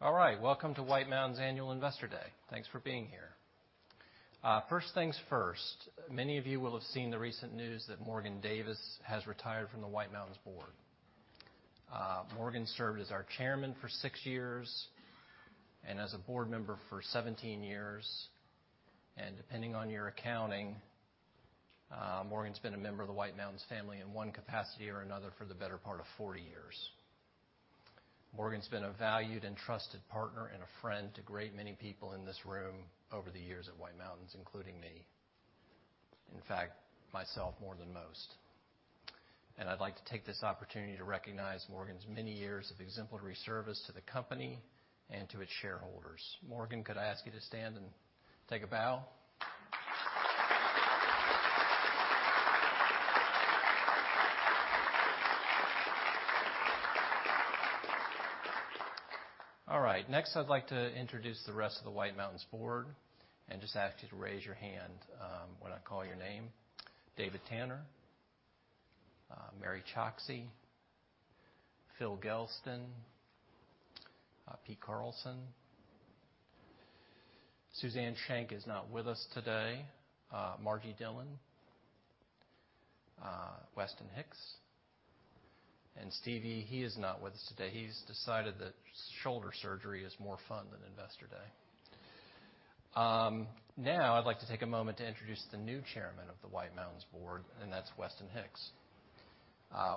All right, welcome to White Mountains Annual Investor Day. Thanks for being here. First things first, many of you will have seen the recent news that Morgan Davis has retired from the White Mountains board. Morgan served as our chairman for six years and as a board member for 17 years, depending on your accounting, Morgan's been a member of the White Mountains family in one capacity or another for the better part of 40 years. Morgan's been a valued and trusted partner and a friend to great many people in this room over the years at White Mountains, including me. In fact, myself more than most. I'd like to take this opportunity to recognize Morgan's many years of exemplary service to the company and to its shareholders. Morgan, could I ask you to stand and take a bow? All right. Next, I'd like to introduce the rest of the White Mountains Board and just ask you to raise your hand when I call your name. David Tanner, Mary C. Choksi, Phil Gelston, Pete Carlson. Suzanne Shank is not with us today. Margie Dillon, Weston Hicks, and Stevie, he is not with us today. He's decided that shoulder surgery is more fun than Investor Day. Now, I'd like to take a moment to introduce the new Chairman of the White Mountains Board, and that's Weston Hicks.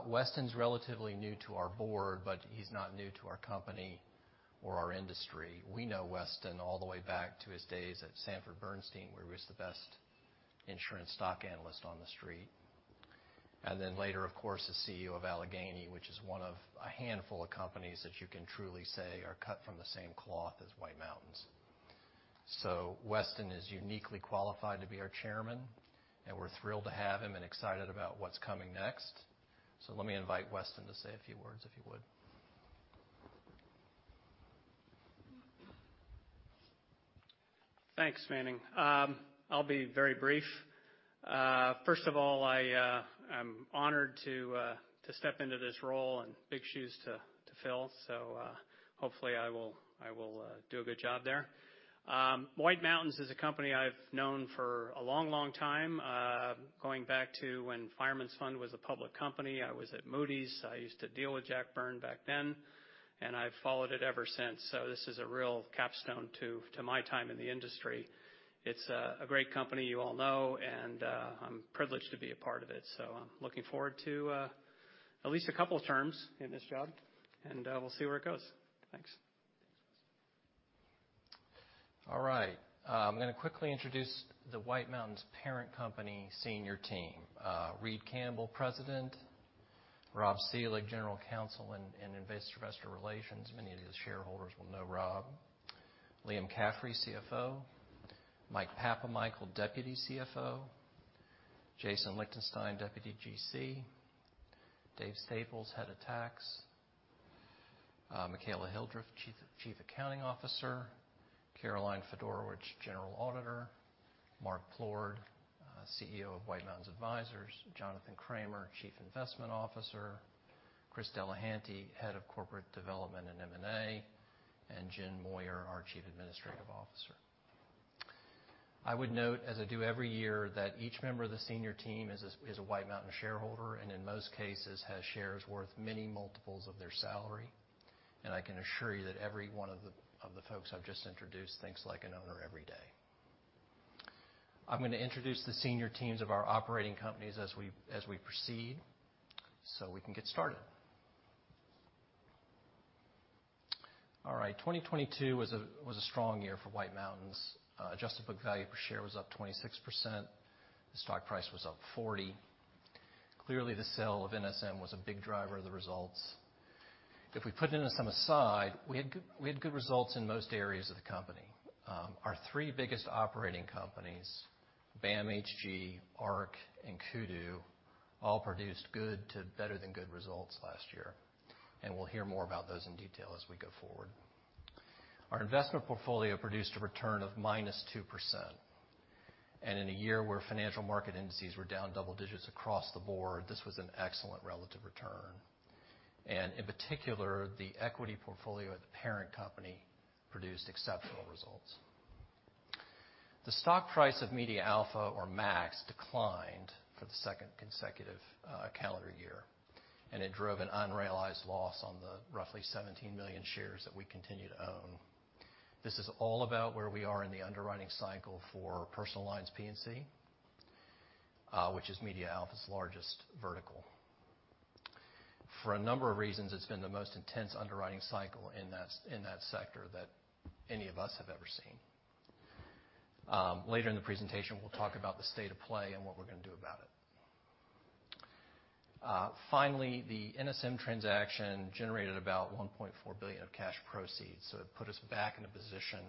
Weston's relatively new to our Board, but he's not new to our company or our industry. We know Weston all the way back to his days at Sanford C. Bernstein, where he was the best insurance stock analyst on the street. Later, of course, the CEO of Alleghany, which is one of a handful of companies that you can truly say are cut from the same cloth as White Mountains. Weston is uniquely qualified to be our Chairman, and we're thrilled to have him and excited about what's coming next. Let me invite Weston to say a few words, if he would. Thanks, Manning. I'll be very brief. First of all, I'm honored to step into this role and big shoes to fill, hopefully I will do a good job there. White Mountains is a company I've known for a long, long time, going back to when Fireman's Fund was a public company. I was at Moody's. I used to deal with Jack Byrne back then, and I've followed it ever since. This is a real capstone to my time in the industry. It's a great company, you all know, and I'm privileged to be a part of it. I'm looking forward to at least a couple of terms in this job, and we'll see where it goes. Thanks. All right. I'm going to quickly introduce the White Mountains parent company senior team. Reid Campbell, President, Rob Seelig, General Counsel and Investor Relations. Many of his shareholders will know Rob. Liam Caffrey, CFO. Mike Papamichael, Deputy CFO. Jason Lichtenstein, Deputy GC. Dave Staples, Head of Tax. Michaela Hildreth, Chief Accounting Officer. Caroline Fedorowich, General Auditor. Mark Plourde, President of White Mountains Advisors. Jonathan Cramer, Chief Investment Officer. Chris Delehanty, Head of Corporate Development and M&A, and Jen Moyer, our Chief Administrative Officer. I would note, as I do every year, that each member of the senior team is a White Mountains shareholder, and in most cases, has shares worth many multiples of their salary. I can assure you that every one of the folks I've just introduced thinks like an owner every day. I'm going to introduce the senior teams of our operating companies as we proceed, so we can get started. All right, 2022 was a strong year for White Mountains. Adjusted book value per share was up 26%, the stock price was up 40%. Clearly, the sale of NSM was a big driver of the results. If we put NSM aside, we had good results in most areas of the company. Our three biggest operating companies, BAM, HG, Ark, and Kudu, all produced good to better than good results last year, and we'll hear more about those in detail as we go forward. Our investment portfolio produced a return of -2%, and in a year where financial market indices were down double digits across the board, this was an excellent relative return. In particular, the equity portfolio of the parent company produced exceptional results. The stock price of MediaAlpha or MAX declined for the second consecutive calendar year, and it drove an unrealized loss on the roughly 17 million shares that we continue to own. This is all about where we are in the underwriting cycle for personal lines, P&C, which is MediaAlpha's largest vertical. For a number of reasons, it's been the most intense underwriting cycle in that sector that any of us have ever seen. Later in the presentation, we'll talk about the state of play and what we're gonna do about it. Finally, the NSM transaction generated about $1.4 billion of cash proceeds, so it put us back in a position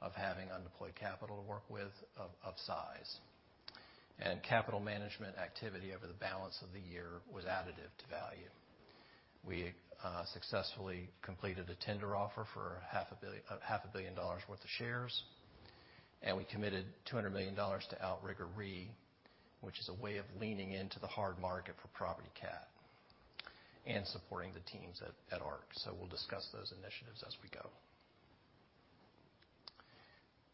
of having undeployed capital to work with of size. Capital management activity over the balance of the year was additive to value. We successfully completed a tender offer for a half a billion dollars worth of shares. We committed $200 million to Outrigger Re, which is a way of leaning into the hard market for property cat and supporting the teams at Ark. We'll discuss those initiatives as we go.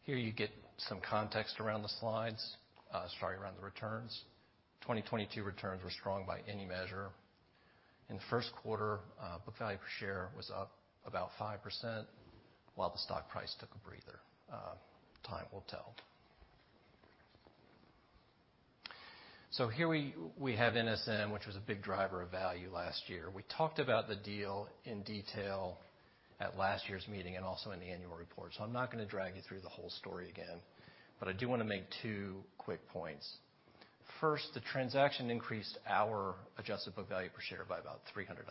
Here you get some context around the slides, sorry, around the returns. 2022 returns were strong by any measure. In the first quarter, book value per share was up about 5%, while the stock price took a breather. Time will tell. Here we have NSM, which was a big driver of value last year. We talked about the deal in detail at last year's meeting and also in the annual report, so I'm not gonna drag you through the whole story again, but I do wanna make two quick points. First, the transaction increased our adjusted book value per share by about $300.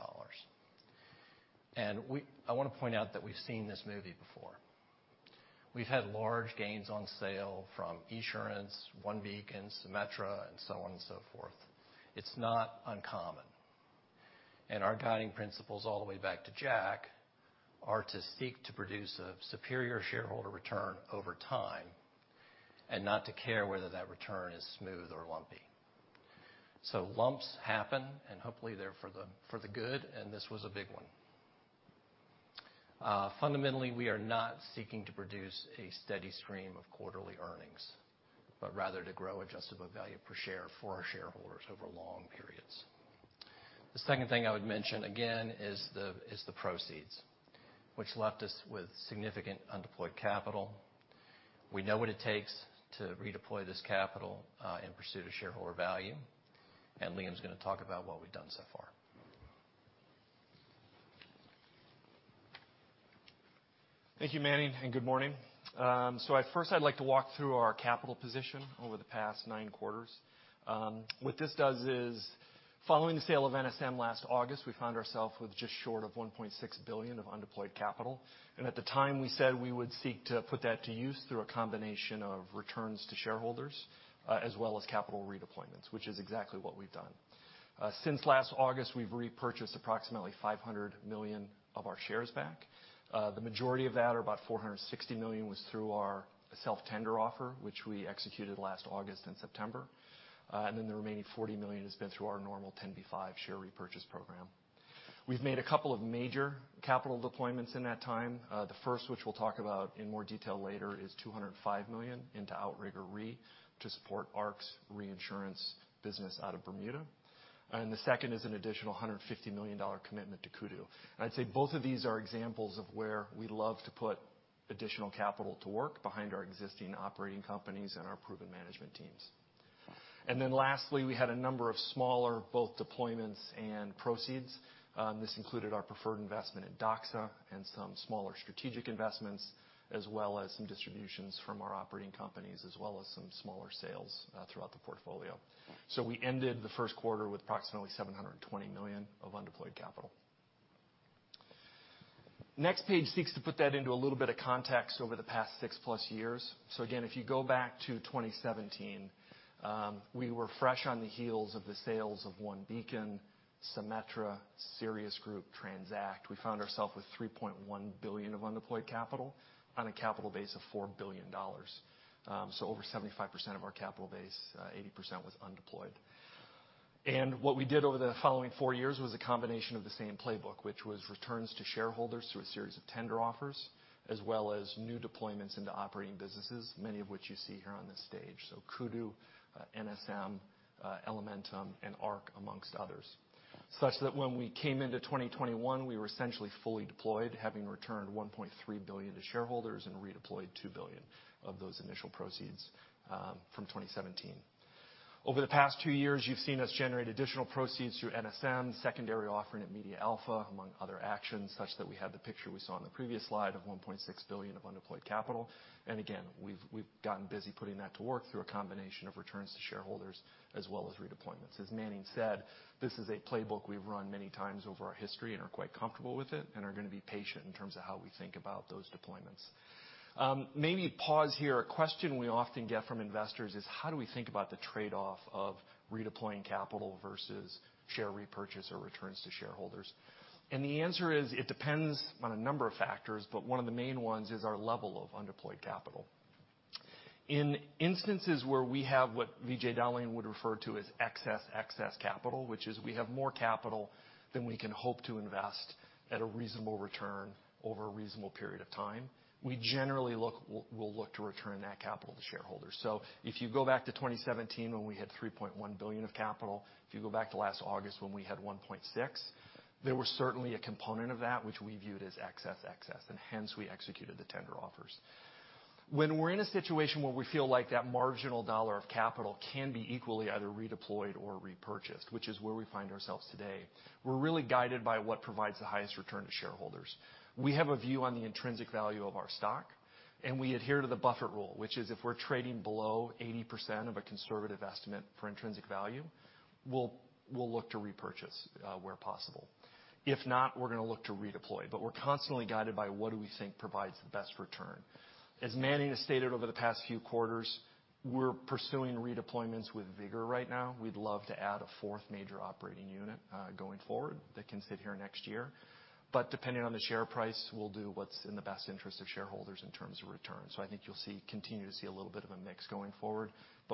I wanna point out that we've seen this movie before. We've had large gains on sale from Esurance, OneBeacon, Symetra, and so on and so forth. It's not uncommon, and our guiding principles all the way back to Jack are to seek to produce a superior shareholder return over time and not to care whether that return is smooth or lumpy. Lumps happen, and hopefully, they're for the good, and this was a big one. Fundamentally, we are not seeking to produce a steady stream of quarterly earnings, but rather to grow adjusted book value per share for our shareholders over long periods. The second thing I would mention again is the proceeds, which left us with significant undeployed capital. We know what it takes to redeploy this capital in pursuit of shareholder value, and Liam's gonna talk about what we've done so far. Thank you, Manning. Good morning. First I'd like to walk through our capital position over the past nine quarters. What this does is, following the sale of NSM last August, we found ourself with just short of $1.6 billion of undeployed capital. At the time, we said we would seek to put that to use through a combination of returns to shareholders, as well as capital redeployments, which is exactly what we've done. Since last August, we've repurchased approximately $500 million of our shares back. The majority of that, or about $460 million, was through our self-tender offer, which we executed last August and September. The remaining $40 million has been through our normal 10b5-1 share repurchase program. We've made a couple of major capital deployments in that time. The first, which we'll talk about in more detail later, is $205 million into Outrigger Re to support Ark's reinsurance business out of Bermuda. The second is an additional $150 million commitment to Kudu. I'd say both of these are examples of where we love to put additional capital to work behind our existing operating companies and our proven management teams. Lastly, we had a number of smaller, both deployments and proceeds. This included our preferred investment in Doxa and some smaller strategic investments, as well as some distributions from our operating companies, as well as some smaller sales throughout the portfolio. We ended the first quarter with approximately $720 million of undeployed capital. Next page seeks to put that into a little bit of context over the past six-plus years. Again, if you go back to 2017, we were fresh on the heels of the sales of OneBeacon, Symetra, Sirius Group, Tranzact. We found ourself with $3.1 billion of undeployed capital on a capital base of $4 billion. Over 75% of our capital base, 80%, was undeployed. What we did over the following four years was a combination of the same playbook, which was returns to shareholders through a series of tender offers, as well as new deployments into operating businesses, many of which you see here on this stage, so Kudu, NSM, Elementum and Ark, amongst others. When we came into 2021, we were essentially fully deployed, having returned $1.3 billion to shareholders and redeployed $2 billion of those initial proceeds from 2017. Over the past two years, you've seen us generate additional proceeds through NSM, secondary offering at MediaAlpha, among other actions, such that we had the picture we saw in the previous slide of $1.6 billion of undeployed capital. Again, we've gotten busy putting that to work through a combination of returns to shareholders, as well as redeployments. As Manning said, this is a playbook we've run many times over our history and are quite comfortable with it and are gonna be patient in terms of how we think about those deployments. Maybe pause here. A question we often get from investors is, How do we think about the trade-off of redeploying capital versus share repurchase or returns to shareholders? The answer is: it depends on a number of factors, but one of the main ones is our level of undeployed capital. In instances where we have what VJ Dowling would refer to as excess capital, which is we have more capital than we can hope to invest at a reasonable return over a reasonable period of time, we generally look to return that capital to shareholders. If you go back to 2017, when we had $3.1 billion of capital, if you go back to last August when we had $1.6 billion, there was certainly a component of that which we viewed as excess, and hence, we executed the tender offers. When we're in a situation where we feel like that marginal dollar of capital can be equally either redeployed or repurchased, which is where we find ourselves today, we're really guided by what provides the highest return to shareholders. We have a view on the intrinsic value of our stock. We adhere to the Buffett rule, which is, if we're trading below 80% of a conservative estimate for intrinsic value, we'll look to repurchase where possible. If not, we're going to look to redeploy. We're constantly guided by what do we think provides the best return. As Manning has stated over the past few quarters, we're pursuing redeployments with vigor right now. We'd love to add a fourth major operating unit going forward that can sit here next year. Depending on the share price, we'll do what's in the best interest of shareholders in terms of returns. I think you'll continue to see a little bit of a mix going forward.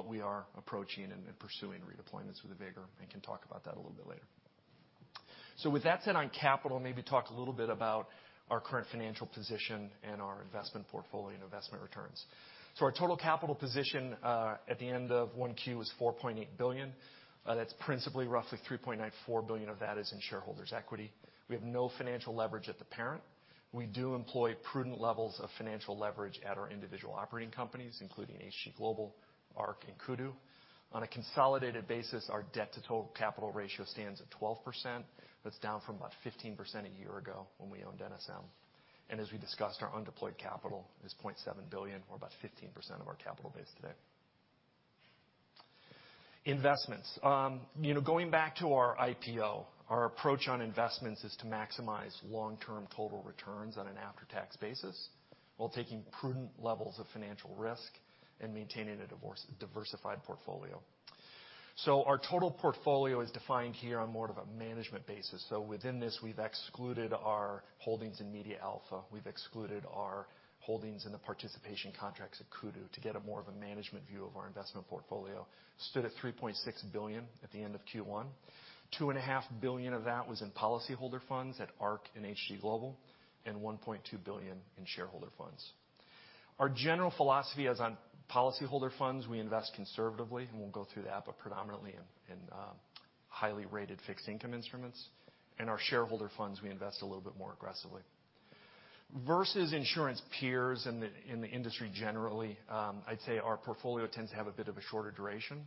We are approaching and pursuing redeployments with vigor, and can talk about that a little bit later. With that said, on capital, maybe talk a little bit about our current financial position and our investment portfolio and investment returns. Our total capital position at the end of Q1 was $4.8 billion. That's principally roughly $3.94 billion of that is in shareholders' equity. We have no financial leverage at the parent. We do employ prudent levels of financial leverage at our individual operating companies, including HG Global, Ark, and Kudu. On a consolidated basis, our debt to total capital ratio stands at 12%. That's down from about 15% a year ago when we owned NSM. As we discussed, our undeployed capital is $0.7 billion, or about 15% of our capital base today. Investments. You know, going back to our IPO, our approach on investments is to maximize long-term total returns on an after-tax basis, while taking prudent levels of financial risk and maintaining a diversified portfolio. Our total portfolio is defined here on more of a management basis. Within this, we've excluded our holdings in MediaAlpha. We've excluded our holdings in the participation contracts at Kudu to get a more of a management view of our investment portfolio. Stood at $3.6 billion at the end of Q1. $2.5 billion of that was in policyholder funds at Ark and HG Global, and $1.2 billion in shareholder funds. Our general philosophy as on policyholder funds, we invest conservatively, and we'll go through that, but predominantly in highly rated fixed income instruments, and our shareholder funds, we invest a little bit more aggressively. Versus insurance peers in the industry generally, I'd say our portfolio tends to have a bit of a shorter duration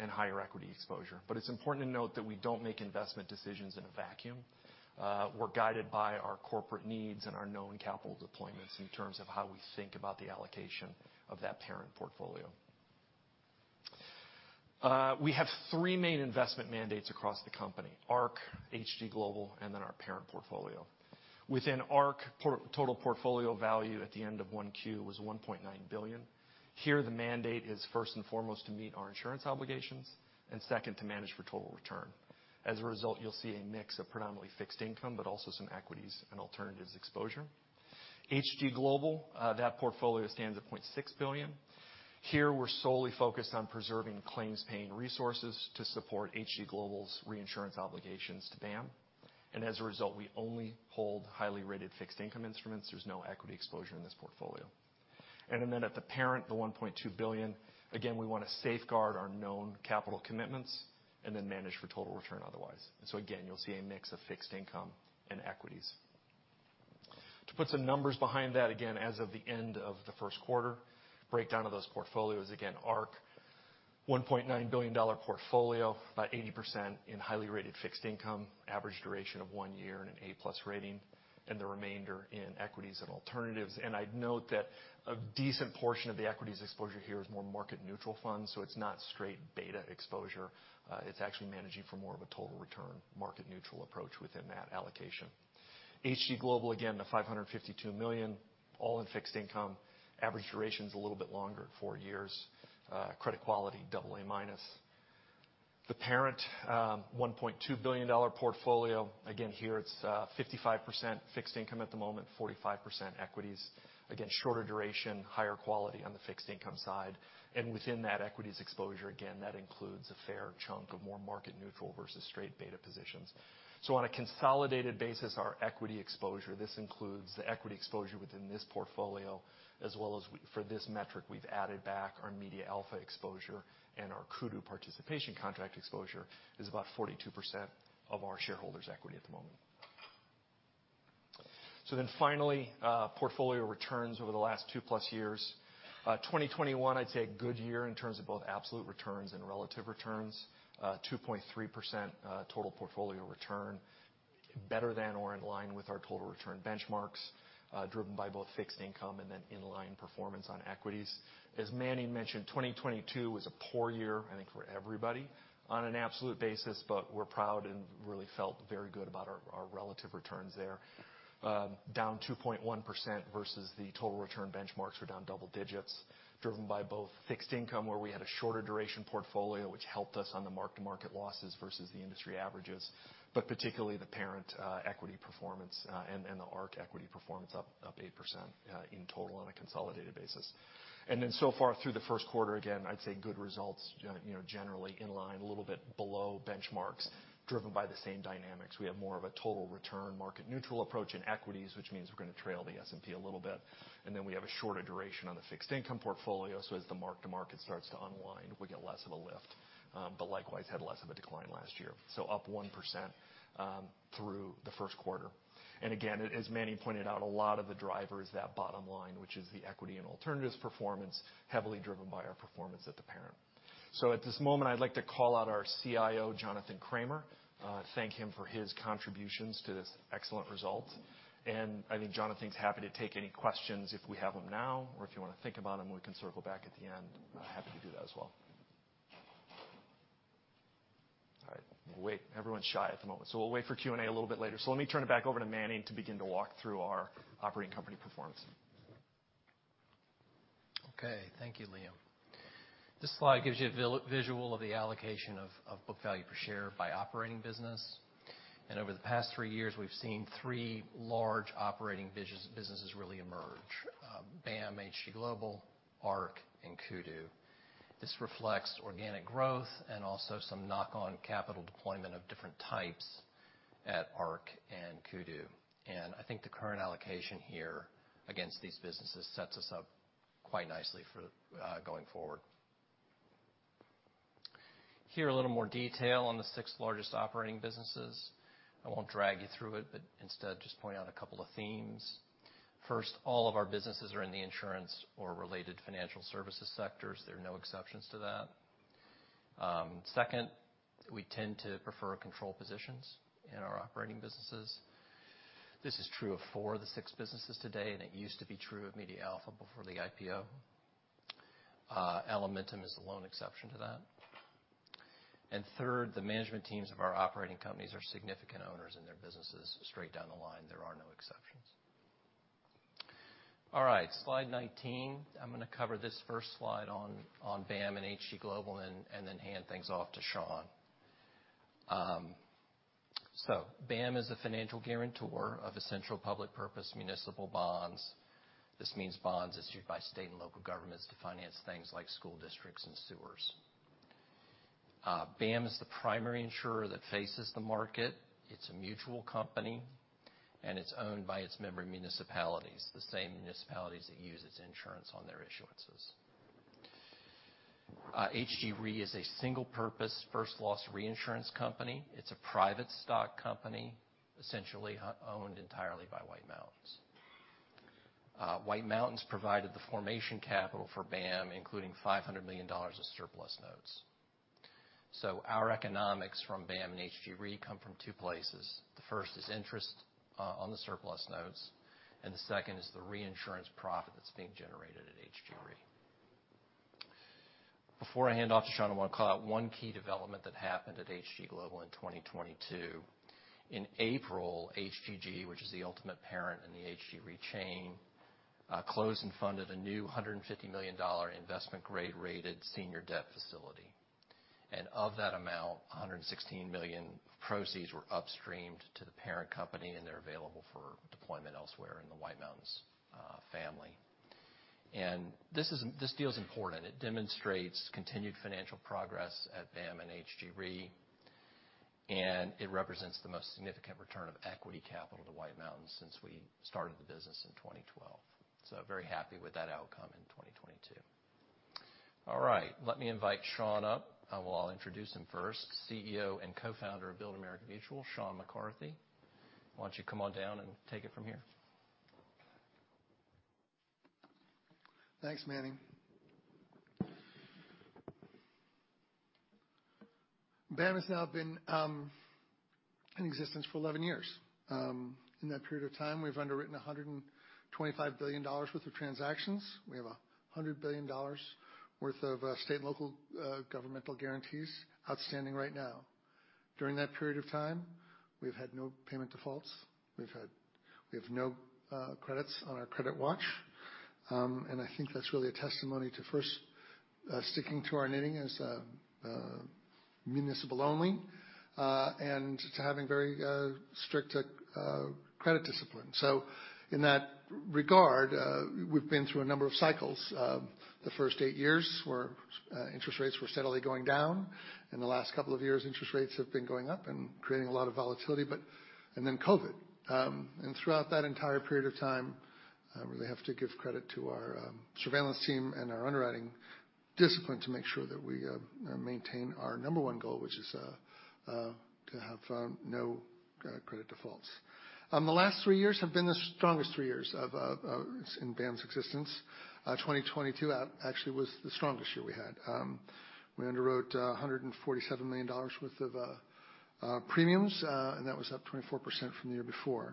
and higher equity exposure. It's important to note that we don't make investment decisions in a vacuum. We're guided by our corporate needs and our known capital deployments in terms of how we think about the allocation of that parent portfolio. We have three main investment mandates across the company: Ark, HG Global, and then our parent portfolio. Within Ark, total portfolio value at the end of 1Q was $1.9 billion. Here, the mandate is first and foremost, to meet our insurance obligations, and second, to manage for total return. As a result, you'll see a mix of predominantly fixed income, but also some equities and alternatives exposure. HG Global, that portfolio stands at $0.6 billion. Here, we're solely focused on preserving claims, paying resources to support HG Global's reinsurance obligations to BAM. As a result, we only hold highly rated fixed income instruments. There's no equity exposure in this portfolio. Then at the parent, the $1.2 billion, again, we want to safeguard our known capital commitments and then manage for total return otherwise. Again, you'll see a mix of fixed income and equities. To put some numbers behind that, again, as of the end of the first quarter, breakdown of those portfolios, again, Ark, a $1.9 billion portfolio, about 80% in highly rated fixed income, average duration of one year and an A+ rating, and the remainder in equities and alternatives. I'd note that a decent portion of the equities exposure here is more market neutral funds, so it's not straight beta exposure. It's actually managing for more of a total return market neutral approach within that allocation. HG Global, again, the $552 million, all in fixed income. Average duration is a little bit longer, four years. Credit quality, AA-. The parent, a $1.2 billion portfolio. Again, here, it's 55% fixed income at the moment, 45% equities. Again, shorter duration, higher quality on the fixed income side. Within that equities exposure, again, that includes a fair chunk of more market neutral versus straight beta positions. On a consolidated basis, our equity exposure, this includes the equity exposure within this portfolio, as well as for this metric, we've added back our MediaAlpha exposure and our Kudu participation contract exposure is about 42% of our shareholders' equity at the moment. Finally, portfolio returns over the last 2+ years. 2021, I'd say a good year in terms of both absolute returns and relative returns. 2.3% total portfolio return, better than or in line with our total return benchmarks, driven by both fixed income and then in-line performance on equities. As Manning mentioned, 2022 was a poor year, I think, for everybody on an absolute basis, but we're proud and really felt very good about our relative returns there. Down 2.1% versus the total return benchmarks were down double digits, driven by both fixed income, where we had a shorter duration portfolio, which helped us on the mark-to-market losses versus the industry averages, but particularly the parent equity performance and the Ark equity performance up 8% in total on a consolidated basis. So far through the first quarter, again, I'd say good results, you know, generally in line, a little bit below benchmarks, driven by the same dynamics. We have more of a total return market neutral approach in equities, which means we're going to trail the S&P a little bit. We have a shorter duration on the fixed income portfolio, so as the mark to market starts to unwind, we get less of a lift, but likewise, had less of a decline last year. Up 1% through the first quarter. Again, as Manny pointed out, a lot of the drivers, that bottom line, which is the equity and alternatives performance, heavily driven by our performance at the parent. At this moment, I'd like to call out our CIO, Jonathan Cramer, thank him for his contributions to this excellent result. I think Jonathan's happy to take any questions if we have them now, or if you want to think about them, we can circle back at the end. Happy to do that as well. All right, we'll wait. Everyone's shy at the moment, we'll wait for Q&A a little bit later. Let me turn it back over to Manny to begin to walk through our operating company performance. Okay. Thank you, Liam. This slide gives you a visual of the allocation of book value per share by operating business. Over the past three years, we've seen three large operating businesses really emerge, BAM, HG Global, Ark, and Kudu. This reflects organic growth and also some knock-on capital deployment of different types at Ark and Kudu. I think the current allocation here against these businesses sets us up quite nicely for going forward. Here, a little more detail on the six largest operating businesses. I won't drag you through it, but instead just point out a couple of themes. First, all of our businesses are in the insurance or related financial services sectors. There are no exceptions to that. Second, we tend to prefer controlled positions in our operating businesses. This is true of four of the six businesses today, and it used to be true of MediaAlpha before the IPO. Elementum is the lone exception to that. Third, the management teams of our operating companies are significant owners in their businesses straight down the line. There are no exceptions. All right, slide 19. I'm gonna cover this first slide on BAM and HG Global, and then hand things off to Seán. BAM is a financial guarantor of essential public purpose municipal bonds. This means bonds issued by state and local governments to finance things like school districts and sewers. BAM is the primary insurer that faces the market. It's a mutual company, and it's owned by its member municipalities, the same municipalities that use its insurance on their issuances. HG Re is a single-purpose, first loss reinsurance company. It's a private stock company, essentially owned entirely by White Mountains. White Mountains provided the formation capital for BAM, including $500 million of surplus notes. Our economics from BAM and HG Re come from two places. The first is interest on the surplus notes, and the second is the reinsurance profit that's being generated at HG Re. Before I hand off to Seán, I want to call out one key development that happened at HG Global in 2022. In April, HGG, which is the ultimate parent in the HG Re chain, closed and funded a new $150 million investment grade-rated senior debt facility. Of that amount, $116 million proceeds were upstreamed to the parent company, and they're available for deployment elsewhere in the White Mountains family. This deal is important. It demonstrates continued financial progress at BAM and HG Re. It represents the most significant return of equity capital to White Mountains since we started the business in 2012. Very happy with that outcome in 2022. All right, let me invite Seán up. Well, I'll introduce him first, CEO and Cofounder of Build America Mutual, Seán McCarthy. Why don't you come on down and take it from here? Thanks, Manny. BAM has now been in existence for 11 years. In that period of time, we've underwritten $125 billion worth of transactions. We have $100 billion worth of state and local governmental guarantees outstanding right now. During that period of time, we've had no payment defaults. We have no credits on our credit watch. I think that's really a testimony to, first, sticking to our knitting as municipal only, and to having very strict credit discipline. In that regard, we've been through a number of cycles. The first eight years were, interest rates were steadily going down, the last couple of years, interest rates have been going up and creating a lot of volatility. COVID. Throughout that entire period of time, I really have to give credit to our surveillance team and our underwriting discipline to make sure that we maintain our number one goal, which is to have no credit defaults. The last three years have been the strongest 3 years in BAM's existence. 2022 actually was the strongest year we had. We underwrote $147 million worth of premiums, and that was up 24% from the year before.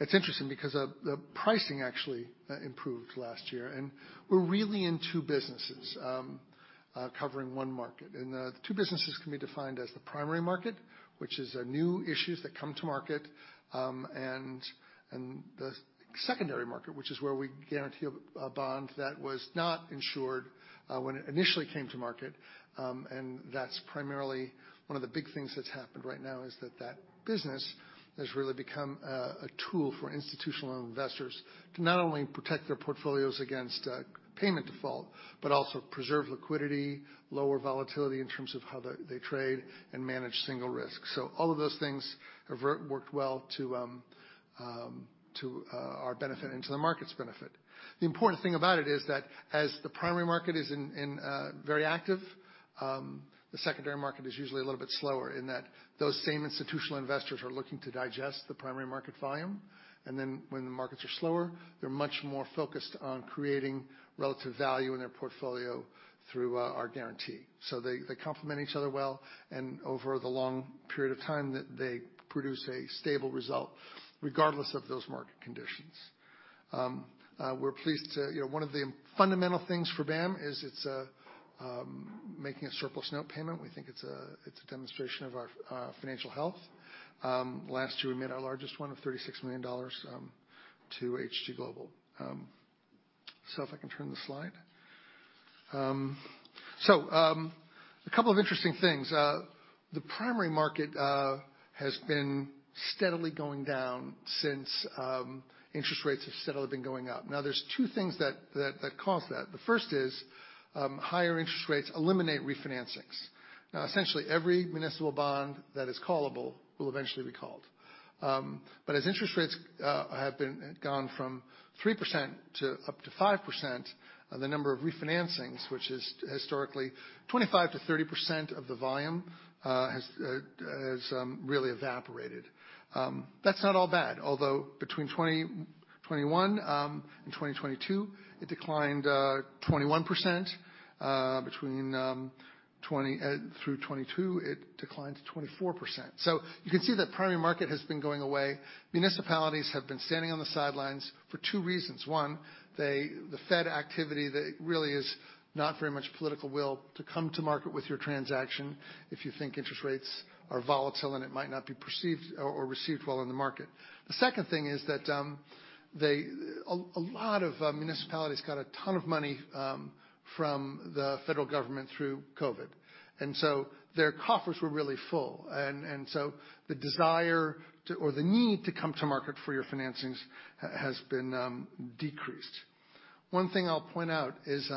It's interesting because the pricing actually improved last year, and we're really in 2 businesses, covering 1 market. The two businesses can be defined as the primary market, which is new issues that come to market, and the secondary market, which is where we guarantee a bond that was not insured when it initially came to market. That's primarily one of the big things that's happened right now, is that that business has really become a tool for institutional investors to not only protect their portfolios against a payment default, but also preserve liquidity, lower volatility in terms of how they trade, and manage single risk. All of those things have worked well to our benefit and to the market's benefit. The important thing about it is that as the primary market is in very active, the secondary market is usually a little bit slower in that those same institutional investors are looking to digest the primary market volume. When the markets are slower, they're much more focused on creating relative value in their portfolio through our guarantee. They, they complement each other well, and over the long period of time, that they produce a stable result regardless of those market conditions. We're pleased to one of the fundamental things for BAM is it's making a surplus note payment. We think it's a, it's a demonstration of our financial health. Last year, we made our largest one of $36 million to HG Global. If I can turn the slide. A couple of interesting things. The primary market has been steadily going down since interest rates have steadily been going up. Now, there's two things that cause that. The first is higher interest rates eliminate refinancings. Now, essentially, every municipal bond that is callable will eventually be called. But as interest rates have been, gone from 3% to up to 5%, the number of refinancings, which is historically 25%-30% of the volume, really evaporated. That's not all bad, although between 2021 and 2022, it declined 21%. Between 20 through 2022, it declined to 24%. You can see that primary market has been going away. Municipalities have been standing on the sidelines for two reasons. One, they. The Fed activity, there really is not very much political will to come to market with your transaction if you think interest rates are volatile, and it might not be perceived or received well in the market. The second thing is that a lot of municipalities got a ton of money from the federal government through COVID, and so their coffers were really full. The desire to, or the need to come to market for your financings has been decreased. One thing I'll point out is,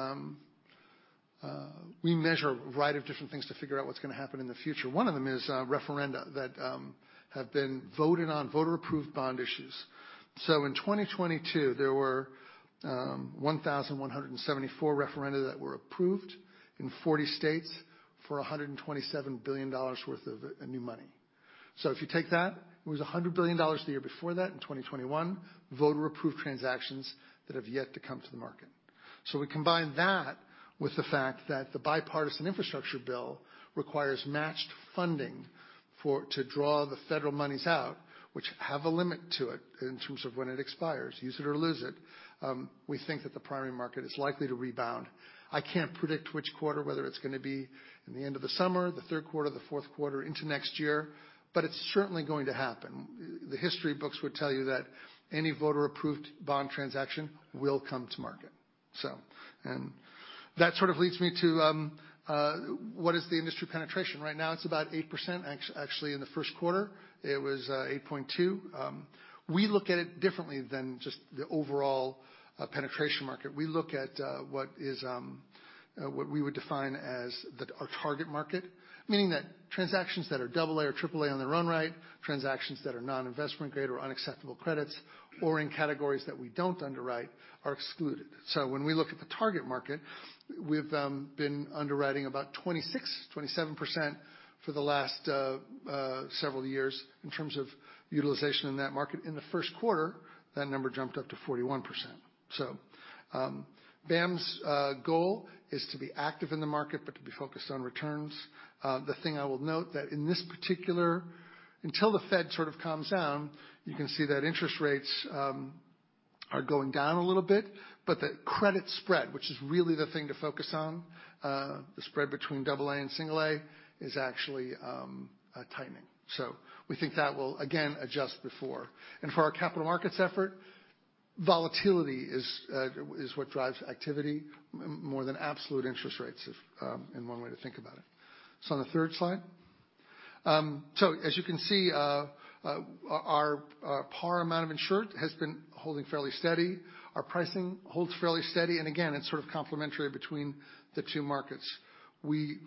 we measure a variety of different things to figure out what's gonna happen in the future. One of them is referenda that have been voted on, voter-approved bond issues. In 2022, there were 1,174 referenda that were approved in 40 states for $127 billion worth of new money. If you take that, it was $100 billion the year before that, in 2021, voter-approved transactions that have yet to come to the market. We combine that with the fact that the Bipartisan Infrastructure Law requires matched funding for, to draw the federal monies out, which have a limit to it in terms of when it expires, use it or lose it. We think that the primary market is likely to rebound. I can't predict which quarter, whether it's gonna be in the end of the summer, the third quarter, the fourth quarter into next year, but it's certainly going to happen. The history books would tell you that any voter-approved bond transaction will come to market. That sort of leads me to what is the industry penetration? Right now, it's about 8%. Actually, in the first quarter, it was 8.2. We look at it differently than just the overall penetration market. We look at what is what we would define as the, our target market, meaning that transactions that are AA or AAA on the run rate, transactions that are non-investment grade or unacceptable credits, or in categories that we don't underwrite, are excluded. When we look at the target market, we've been underwriting about 26%-27% for the last several years in terms of utilization in that market. In the first quarter, that number jumped up to 41%. BAM's goal is to be active in the market, but to be focused on returns. The thing I will note that in this particular. Until the Fed sort of calms down, you can see that interest rates are going down a little bit, but the credit spread, which is really the thing to focus on, the spread between AA and A, is actually tightening. We think that will, again, adjust before. For our capital markets effort, volatility is what drives activity more than absolute interest rates, if in one way to think about it. On the third slide. As you can see, our par amount of insured has been holding fairly steady. Our pricing holds fairly steady, and again, it's sort of complementary between the two markets. We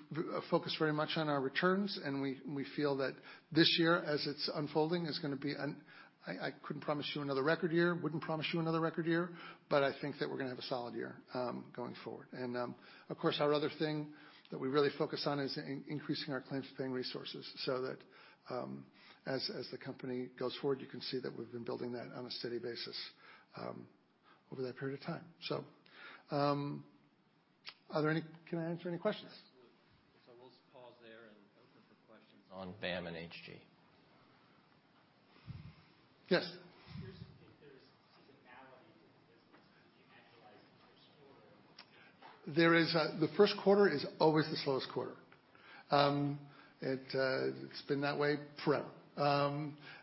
focus very much on our returns, and we feel that this year, as it's unfolding, is gonna be. I couldn't promise you another record year, wouldn't promise you another record year, but I think that we're gonna have a solid year going forward. Of course, our other thing that we really focus on is increasing our claims paying resources so that as the company goes forward, you can see that we've been building that on a steady basis over that period of time. Are there any? Can I answer any questions? We'll just pause there and open for questions on BAM and HG. Yes. There's seasonality in the business if you annualize the first quarter. There is the first quarter is always the slowest quarter. It's been that way forever.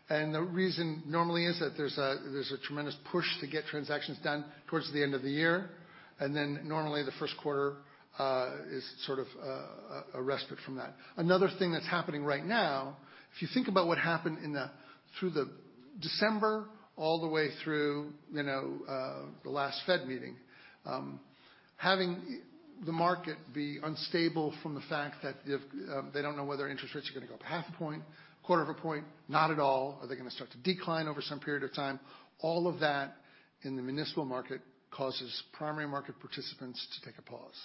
The reason normally is that there's a tremendous push to get transactions done towards the end of the year, then normally the first quarter is sort of a respite from that. Another thing that's happening right now, if you think about what happened in through the December, all the way through, you know, the last Fed meeting, having the market be unstable from the fact that if they don't know whether interest rates are going to go up half a point, quarter of a point, not at all, are they gonna start to decline over some period of time? All of that in the municipal market causes primary market participants to take a pause.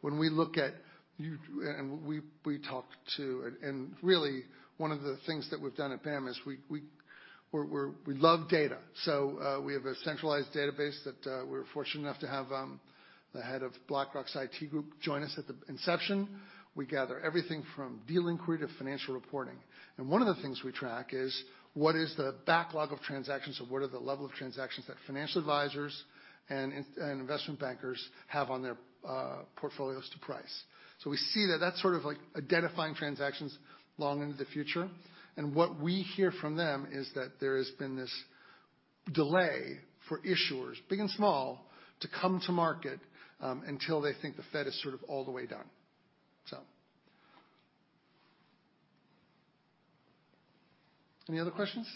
When we look at you, and we talked to, and really one of the things that we've done at BAM is we love data. We have a centralized database that we're fortunate enough to have the head of BlackRock's IT group join us at the inception. We gather everything from deal inquiry to financial reporting, and one of the things we track is what is the backlog of transactions or what are the level of transactions that financial advisors and investment bankers have on their portfolios to price? We see that that's sort of like identifying transactions long into the future, what we hear from them is that there has been this delay for issuers, big and small, to come to market, until they think the Fed is sort of all the way done. Any other questions?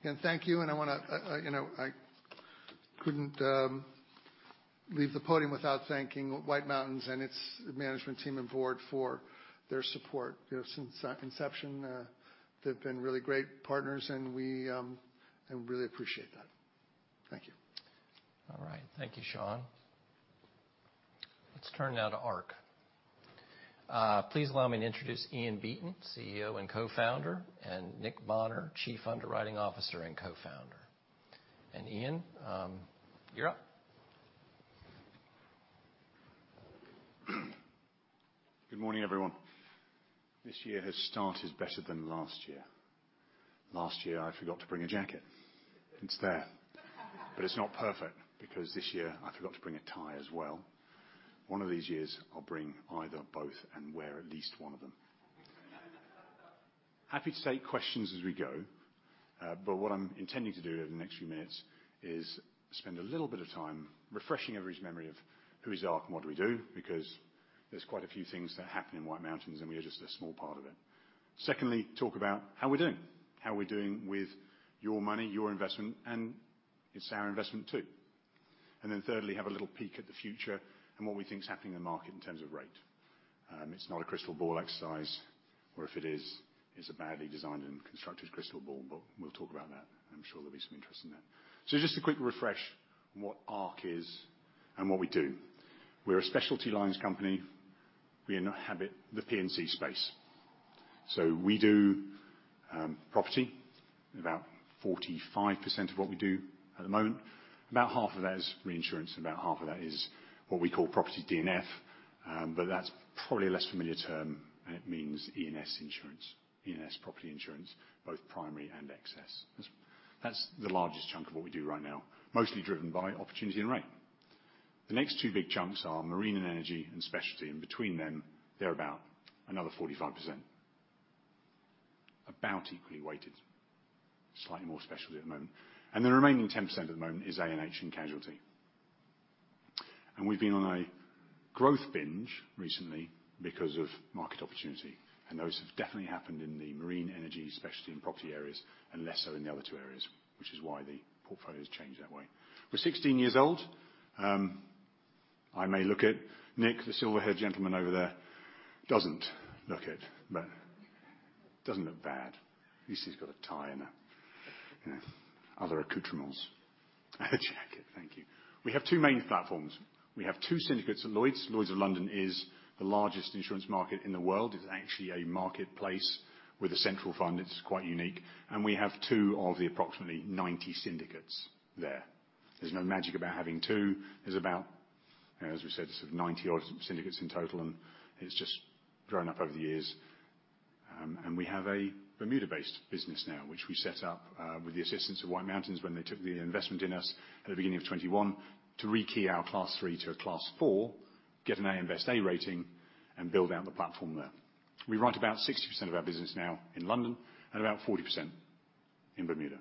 Again, thank you, I wanna, I, you know, I couldn't leave the podium without thanking White Mountains and its management team and board for their support. You know, since inception, they've been really great partners, and we, I really appreciate that. Thank you. All right. Thank you, Seán. Let's turn now to Ark. Please allow me to introduce Ian Beaton, CEO and co-founder, and Nick Bonnar, Chief Underwriting Officer and co-founder. Ian, you're up. Good morning, everyone. This year has started better than last year. Last year, I forgot to bring a jacket. It's there. It's not perfect, because this year I forgot to bring a tie as well. One of these years, I'll bring either or both, and wear at least one of them. Happy to take questions as we go, what I'm intending to do over the next few minutes is spend a little bit of time refreshing everybody's memory of who is Ark and what do we do, because there's quite a few things that happen in White Mountains, and we are just a small part of it. Secondly, talk about how we're doing, how we're doing with your money, your investment, and it's our investment, too. Thirdly, have a little peek at the future and what we think is happening in the market in terms of rate. It's not a crystal ball exercise, or if it is, it's a badly designed and constructed crystal ball, but we'll talk about that. I'm sure there'll be some interest in that. Just a quick refresh on what Ark is and what we do. We're a specialty lines company. Ark inhabit the P&C space. So we do property, about 45% of what we do at the moment. About half of that is reinsurance, and about half of that is what we call property D&F, but that's probably a less familiar term, and it means E&S insurance, E&S property insurance, both primary and excess. That's the largest chunk of what we do right now, mostly driven by opportunity and rate. The next two big chunks are marine and energy and specialty. Between them, they're about another 45%. About equally weighted, slightly more specialty at the moment. The remaining 10% at the moment is A&H and casualty. We've been on a growth binge recently because of market opportunity, and those have definitely happened in the marine energy, specialty, and property areas, and less so in the other two areas, which is why the portfolio's changed that way. We're 16 years old. I may look it. Nick, the silver-haired gentleman over there, doesn't look it, but doesn't look bad. At least he's got a tie and, you know, other accoutrements. A jacket, thank you. We have two main platforms. We have two syndicates at Lloyd's. Lloyd's of London is the largest insurance market in the world. It's actually a marketplace with a central fund. It's quite unique, and we have two of the approximately 90 syndicates there. There's no magic about having two. There's about, as we said, sort of 90 odd syndicates in total, and it's just grown up over the years. We have a Bermuda-based business now, which we set up with the assistance of White Mountains when they took the investment in us at the beginning of 2021 to rekey our Class 3 to a Class 4, get an AM Best A rating, and build out the platform there. We write about 60% of our business now in London and about 40% in Bermuda.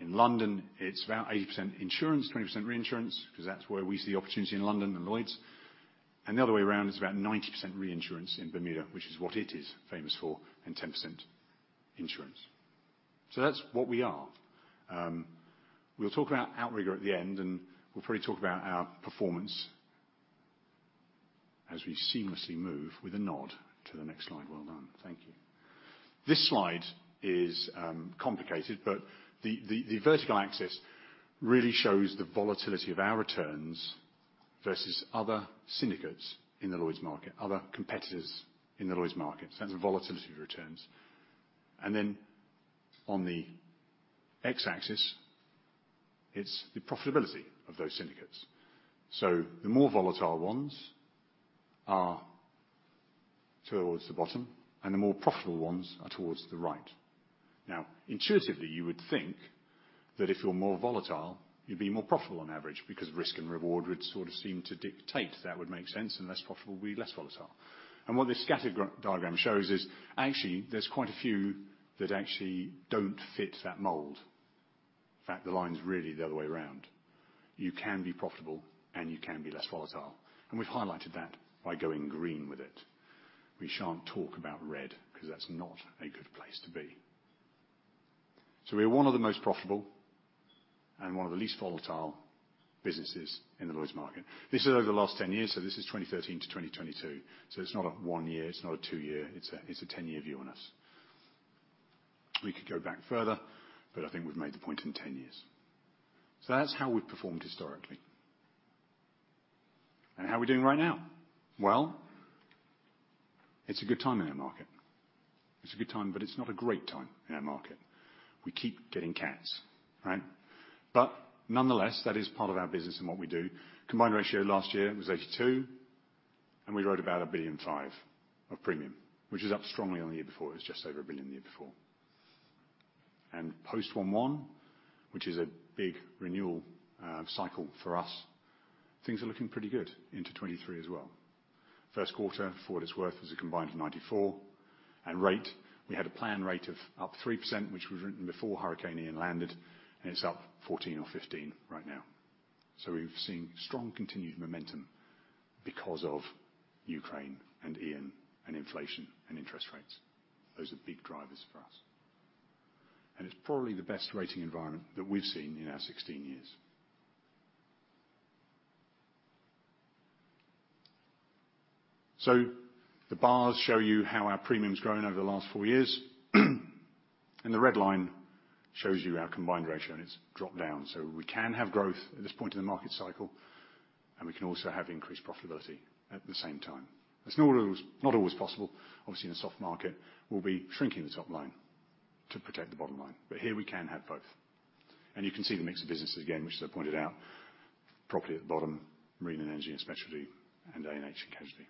In London, it's about 80% insurance, 20% reinsurance, because that's where we see opportunity in London and Lloyd's. The other way around, it's about 90% reinsurance in Bermuda, which is what it is famous for, and 10% insurance. That's what we are. We'll talk about Outrigger at the end, and we'll probably talk about our performance as we seamlessly move with a nod to the next slide. Well done. Thank you. This slide is complicated, but the, the vertical axis really shows the volatility of our returns versus other syndicates in the Lloyd's market, other competitors in the Lloyd's market. That's the volatility of returns. Then on the X-axis, it's the profitability of those syndicates. The more volatile ones are towards the bottom, and the more profitable ones are towards the right. Intuitively, you would think that if you're more volatile, you'd be more profitable on average, because risk and reward would sort of seem to dictate that would make sense, and less profitable would be less volatile. What this scatter diagram shows is actually there's quite a few that actually don't fit that mold. In fact, the line's really the other way around. You can be profitable, and you can be less volatile, and we've highlighted that by going green with it. We shan't talk about red, because that's not a good place to be. We're one of the most profitable and one of the least volatile businesses in the Lloyd's market. This is over the last 10 years, so this is 2013 to 2022. It's not a one year, it's not a two year, it's a 10-year view on us. We could go back further, but I think we've made the point in 10 years. That's how we've performed historically. How are we doing right now? Well, it's a good time in our market. It's a good time, but it's not a great time in our market. We keep getting cats, right? Nonetheless, that is part of our business and what we do. Combined ratio last year was 82, and we wrote about $1.5 billion of premium, which is up strongly on the year before. It was just over $1 billion the year before. Post one-one, which is a big renewal cycle for us, things are looking pretty good into 2023 as well. First quarter, for what it's worth, was a combined 94. Rate, we had a plan rate of up 3%, which was written before Hurricane Ian landed, and it's up 14 or 15 right now. We've seen strong continued momentum because of Ukraine, and Ian, and inflation, and interest rates. Those are big drivers for us, and it's probably the best rating environment that we've seen in our 16 years. The bars show you how our premium's grown over the last four years, and the red line shows you our combined ratio, and it's dropped down. We can have growth at this point in the market cycle, and we can also have increased profitability at the same time. That's not always possible. Obviously, in a soft market, we'll be shrinking the top line to protect the bottom line. Here we can have both. You can see the mix of businesses again, which I pointed out, property at the bottom, marine and energy and specialty, and A&H, and casualty.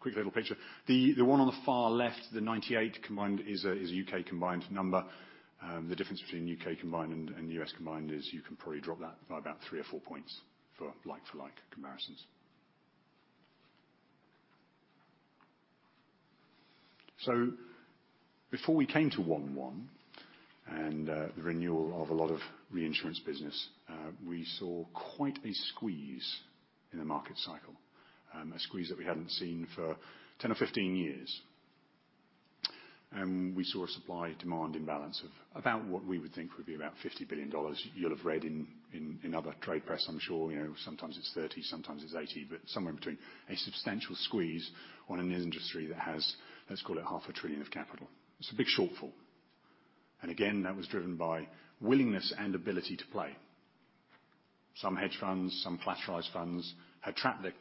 Quick little picture. The one on the far left, the 98 combined is a UK combined number. The difference between UK combined and US combined is you can probably drop that by about 3 or 4 points for like-for-like comparisons. Before we came to one-one, and the renewal of a lot of reinsurance business, we saw quite a squeeze in the market cycle. A squeeze that we hadn't seen for 10 or 15 years. We saw a supply/demand imbalance of about what we would think would be about $50 billion. You'll have read in other trade press, I'm sure, you know, sometimes it's 30, sometimes it's 80, but somewhere in between. A substantial squeeze on an industry that has, let's call it, half a trillion of capital. It's a big shortfall. Again, that was driven by willingness and ability to play. Some hedge funds, some collateralized funds, had trapped the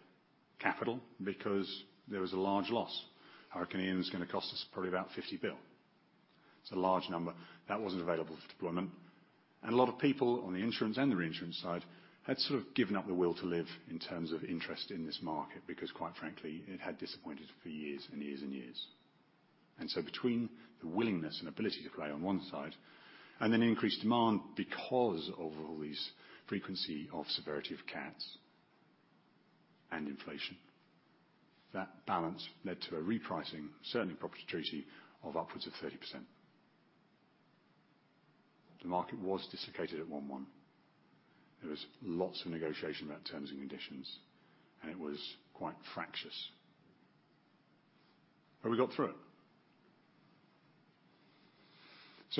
capital because there was a large loss. Hurricane Ian is going to cost us probably about $50 billion. It's a large number. That wasn't available for deployment. A lot of people on the insurance and the reinsurance side had sort of given up the will to live in terms of interest in this market, because, quite frankly, it had disappointed for years and years and years. Between the willingness and ability to play on one side, and then increased demand because of all these frequency of severity of cats and inflation, that balance led to a repricing, certainly in property treaty, of upwards of 30%. The market was dislocated at one-one. There was lots of negotiation about terms and conditions, and it was quite fractious, but we got through it.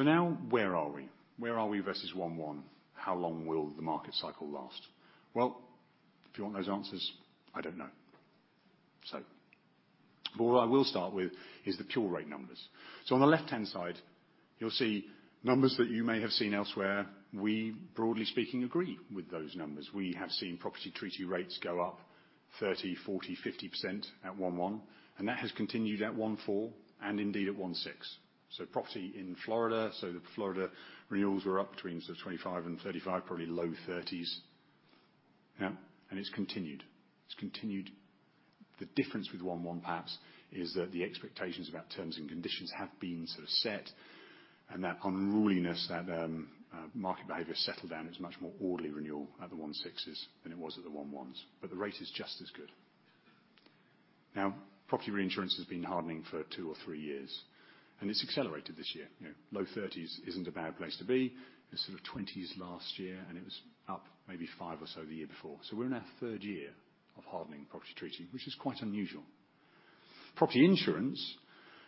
Now where are we? Where are we versus one-one? How long will the market cycle last? Well, if you want those answers, I don't know. What I will start with is the pure rate numbers. On the left-hand side, you'll see numbers that you may have seen elsewhere. We, broadly speaking, agree with those numbers. We have seen property treaty rates go up 30%, 40%, 50% at one-one. That has continued at one-four and indeed at one-six. Property in Florida, the Florida renewals were up between sort of 25% and 35%, probably low 30s. Yeah, it's continued. It's continued. The difference with one-one, perhaps, is that the expectations about terms and conditions have been sort of set, and that unruliness, that market behavior settled down. It was a much more orderly renewal at the one-sixes than it was at the one-ones, but the rate is just as good. Property reinsurance has been hardening for two or three years, and it's accelerated this year. You know, low 30s isn't a bad place to be. It was sort of 20s last year, and it was up maybe five or so the year before. We're in our third year of hardening property treaty, which is quite unusual. Property insurance,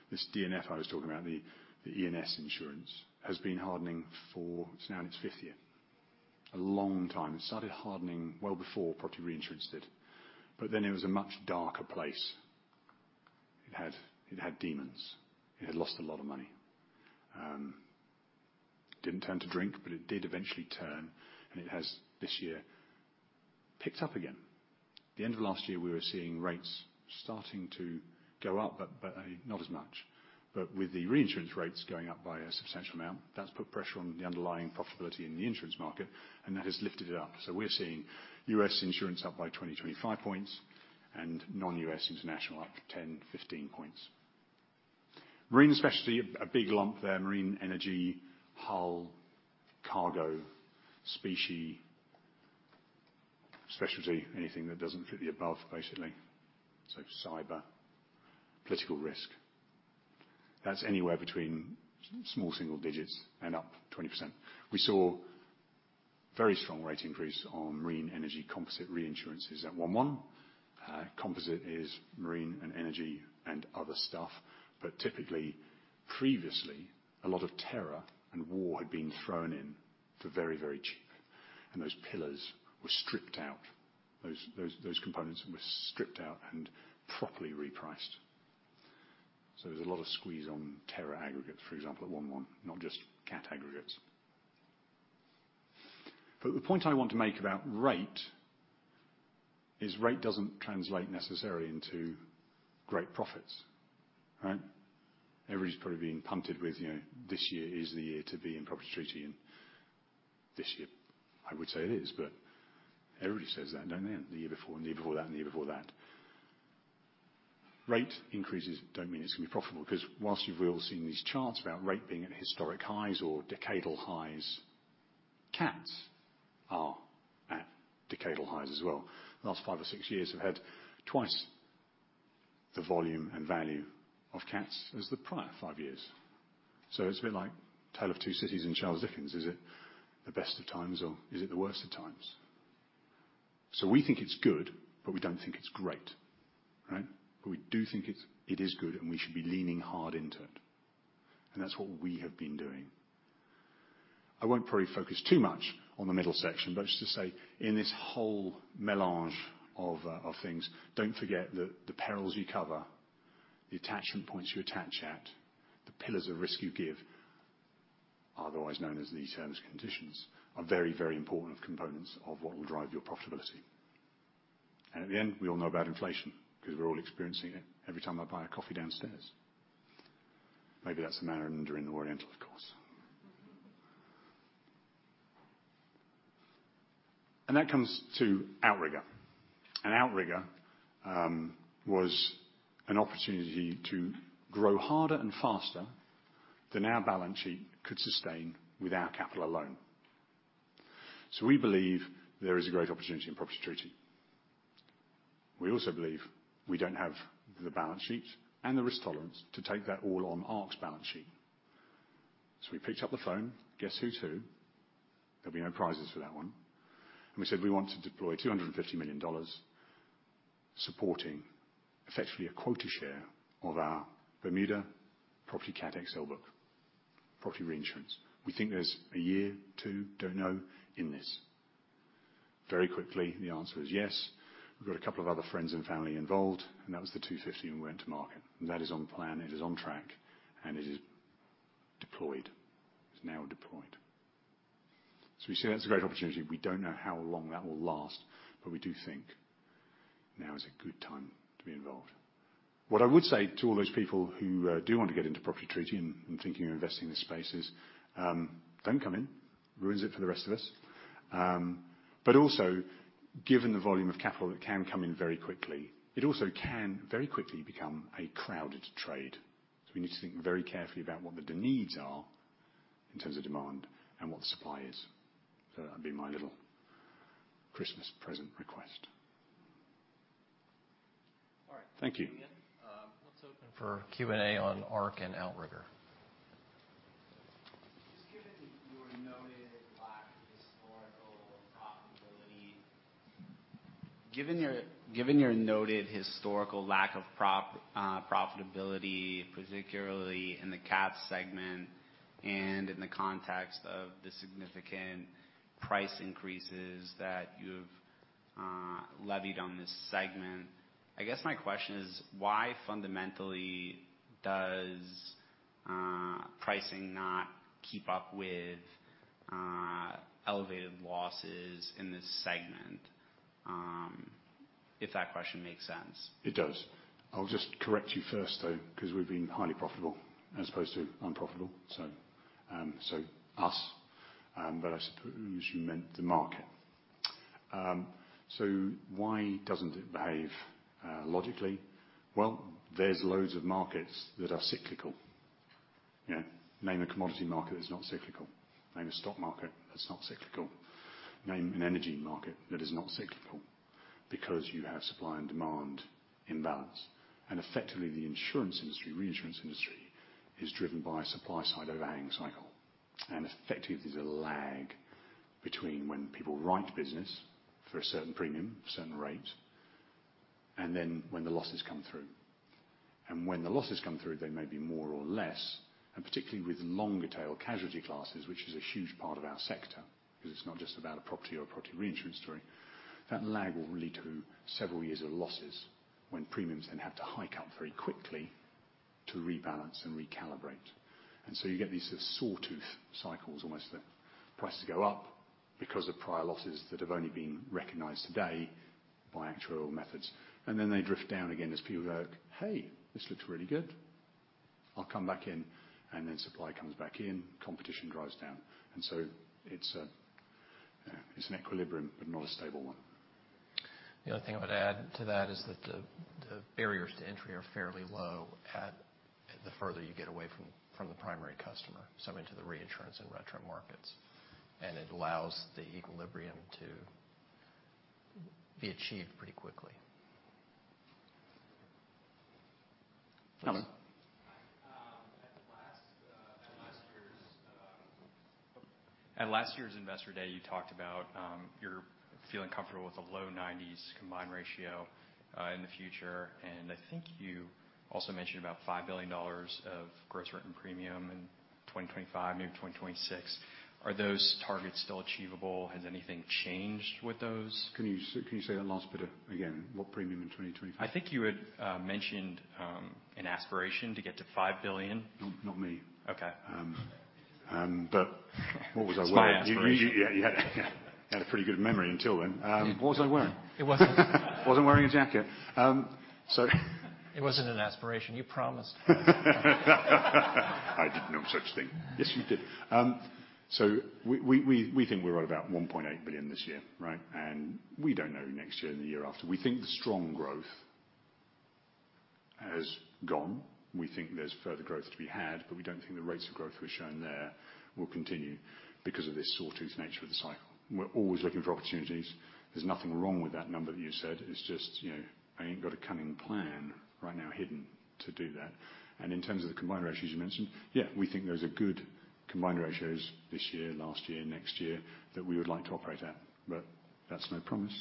this D&F I was talking about, the E&S insurance, has been hardening for. It's now in its fifth year. A long time. It started hardening well before property reinsurance did. It was a much darker place. It had demons. It had lost a lot of money. Didn't turn to drink, but it did eventually turn, and it has, this year, picked up again. The end of last year, we were seeing rates starting to go up, but not as much. With the reinsurance rates going up by a substantial amount, that's put pressure on the underlying profitability in the insurance market, and that has lifted it up. We're seeing U.S. insurance up by 20-25 points and non-U.S. international up 10-15 points. Marine specialty, a big lump there. Marine energy, hull, cargo, specie, specialty, anything that doesn't fit the above, basically, so cyber, political risk. That's anywhere between small single digits and up 20%. We saw very strong rate increase on marine energy composite reinsurances at one-one. Composite is marine and energy and other stuff, but typically, previously, a lot of terror and war had been thrown in for very, very cheap. Those pillars were stripped out. Those components were stripped out and properly repriced. There's a lot of squeeze on terror aggregates, for example, at one-one, not just cat aggregates. The point I want to make about rate, is rate doesn't translate necessarily into great profits, right? Everybody's probably being punted with, you know, this year is the year to be in property treaty, and this year I would say it is, but everybody says that, don't they? The year before, and the year before that, and the year before that. Rate increases don't mean it's going to be profitable, because whilst you've all seen these charts about rate being at historic highs or decadal highs, cats are at decadal highs as well. The last 5 or 6 years have had twice the volume and value of cats as the prior five years. It's a bit like A Tale of Two Cities in Charles Dickens. Is it the best of times, or is it the worst of times? We think it's good, but we don't think it's great, right? We do think it is good, and we should be leaning hard into it. That's what we have been doing. I won't probably focus too much on the middle section, but just to say, in this whole melange of things, don't forget that the perils you cover, the attachment points you attach at, the pillars of risk you give, otherwise known as the terms and conditions, are very, very important components of what will drive your profitability. At the end, we all know about inflation, because we're all experiencing it every time I buy a coffee downstairs. Maybe that's a matter of during the Oriental, of course. That comes to Outrigger. Outrigger was an opportunity to grow harder and faster than our balance sheet could sustain with our capital alone. We believe there is a great opportunity in property treaty. We also believe we don't have the balance sheet and the risk tolerance to take that all on Ark's balance sheet. We picked up the phone. Guess who to? There'll be no prizes for that one. We said, "We want to deploy $250 million supporting effectively a quota share of our Bermuda property cat XL book, property reinsurance. We think there's a year, 2, don't know, in this." Very quickly, the answer is yes. We've got a couple of other friends and family involved, and that was the $250, and we went to market. That is on plan, it is on track, and it is deployed. It's now deployed. We say that's a great opportunity. We don't know how long that will last, but we do think now is a good time to be involved. What I would say to all those people who do want to get into property treaty and are thinking of investing in this space is, don't come in, ruins it for the rest of us. Also, given the volume of capital, that can come in very quickly, it also can very quickly become a crowded trade. We need to think very carefully about what the needs are in terms of demand and what the supply is. That'd be my little Christmas present request. Thank you. All right. Let's open for Q&A on Ark and Outrigger. Just given your noted lack of historical profitability, given your noted historical lack of profitability, particularly in the cat segment and in the context of the significant price increases that you've levied on this segment, I guess my question is: Why fundamentally does pricing not keep up with elevated losses in this segment? If that question makes sense. It does. I'll just correct you first, though, because we've been highly profitable as opposed to unprofitable, so us, but I suppose you meant the market. Why doesn't it behave logically? Well, there's loads of markets that are cyclical. Yeah, name a commodity market that's not cyclical. Name a stock market that's not cyclical. Name an energy market that is not cyclical. Because you have supply and demand imbalance. Effectively, the insurance industry, reinsurance industry, is driven by a supply side overhanging cycle. Effectively, there's a lag between when people write business for a certain premium, a certain rate, and then when the losses come through. When the losses come through, they may be more or less, and particularly with longer tail casualty classes, which is a huge part of our sector, because it's not just about a property or a property reinsurance story. That lag will lead to several years of losses when premiums then have to hike up very quickly to rebalance and recalibrate. You get these sort of sawtooth cycles, almost. The prices go up because of prior losses that have only been recognized today by actuarial methods. Then they drift down again as people go, "Hey, this looks really good. I'll come back in." Then supply comes back in, competition drives down. It's an equilibrium, but not a stable one. The only thing I would add to that is that the barriers to entry are fairly low at the further you get away from the primary customer, so into the reinsurance and retro markets. It allows the equilibrium to be achieved pretty quickly. Simon? Hi. At last year's Investor Day, you talked about, your-.... feeling comfortable with the low 90s combined ratio, in the future. I think you also mentioned about $5 billion of gross written premium in 2025, maybe 2026. Are those targets still achievable? Has anything changed with those? Can you say that last bit again? What premium in 2025? I think you had mentioned an aspiration to get to $5 billion. Not me. Okay. What was I wearing? It's my aspiration. You, yeah, you had a pretty good memory until then. What was I wearing? It wasn't- Wasn't wearing a jacket. It wasn't an aspiration. You promised. I did no such thing. Yes, you did. We think we're at about $1.8 billion this year, right? We don't know next year and the year after. We think the strong growth has gone. We think there's further growth to be had, but we don't think the rates of growth we've shown there will continue because of this sawtooth nature of the cycle. We're always looking for opportunities. There's nothing wrong with that number that you said. It's just, you know, I ain't got a cunning plan right now hidden to do that. In terms of the combined ratios you mentioned, yeah, we think those are good combined ratios this year, last year, next year, that we would like to operate at, but that's no promise.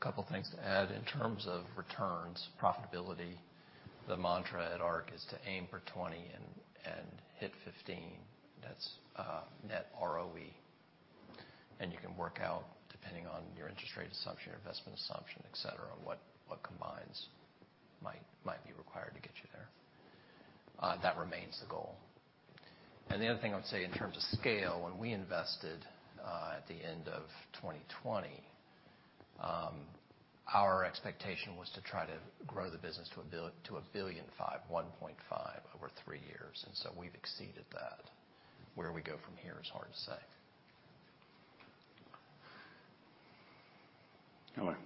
Couple things to add. In terms of returns, profitability, the mantra at Ark is to aim for 20 and hit 15. That's net ROE, and you can work out, depending on your interest rate assumption, your investment assumption, et cetera, what combines might be required to get you there. That remains the goal. The other thing I would say in terms of scale, when we invested at the end of 2020, our expectation was to try to grow the business to $1.5 billion over three years. We've exceeded that. Where we go from here is hard to say. All right.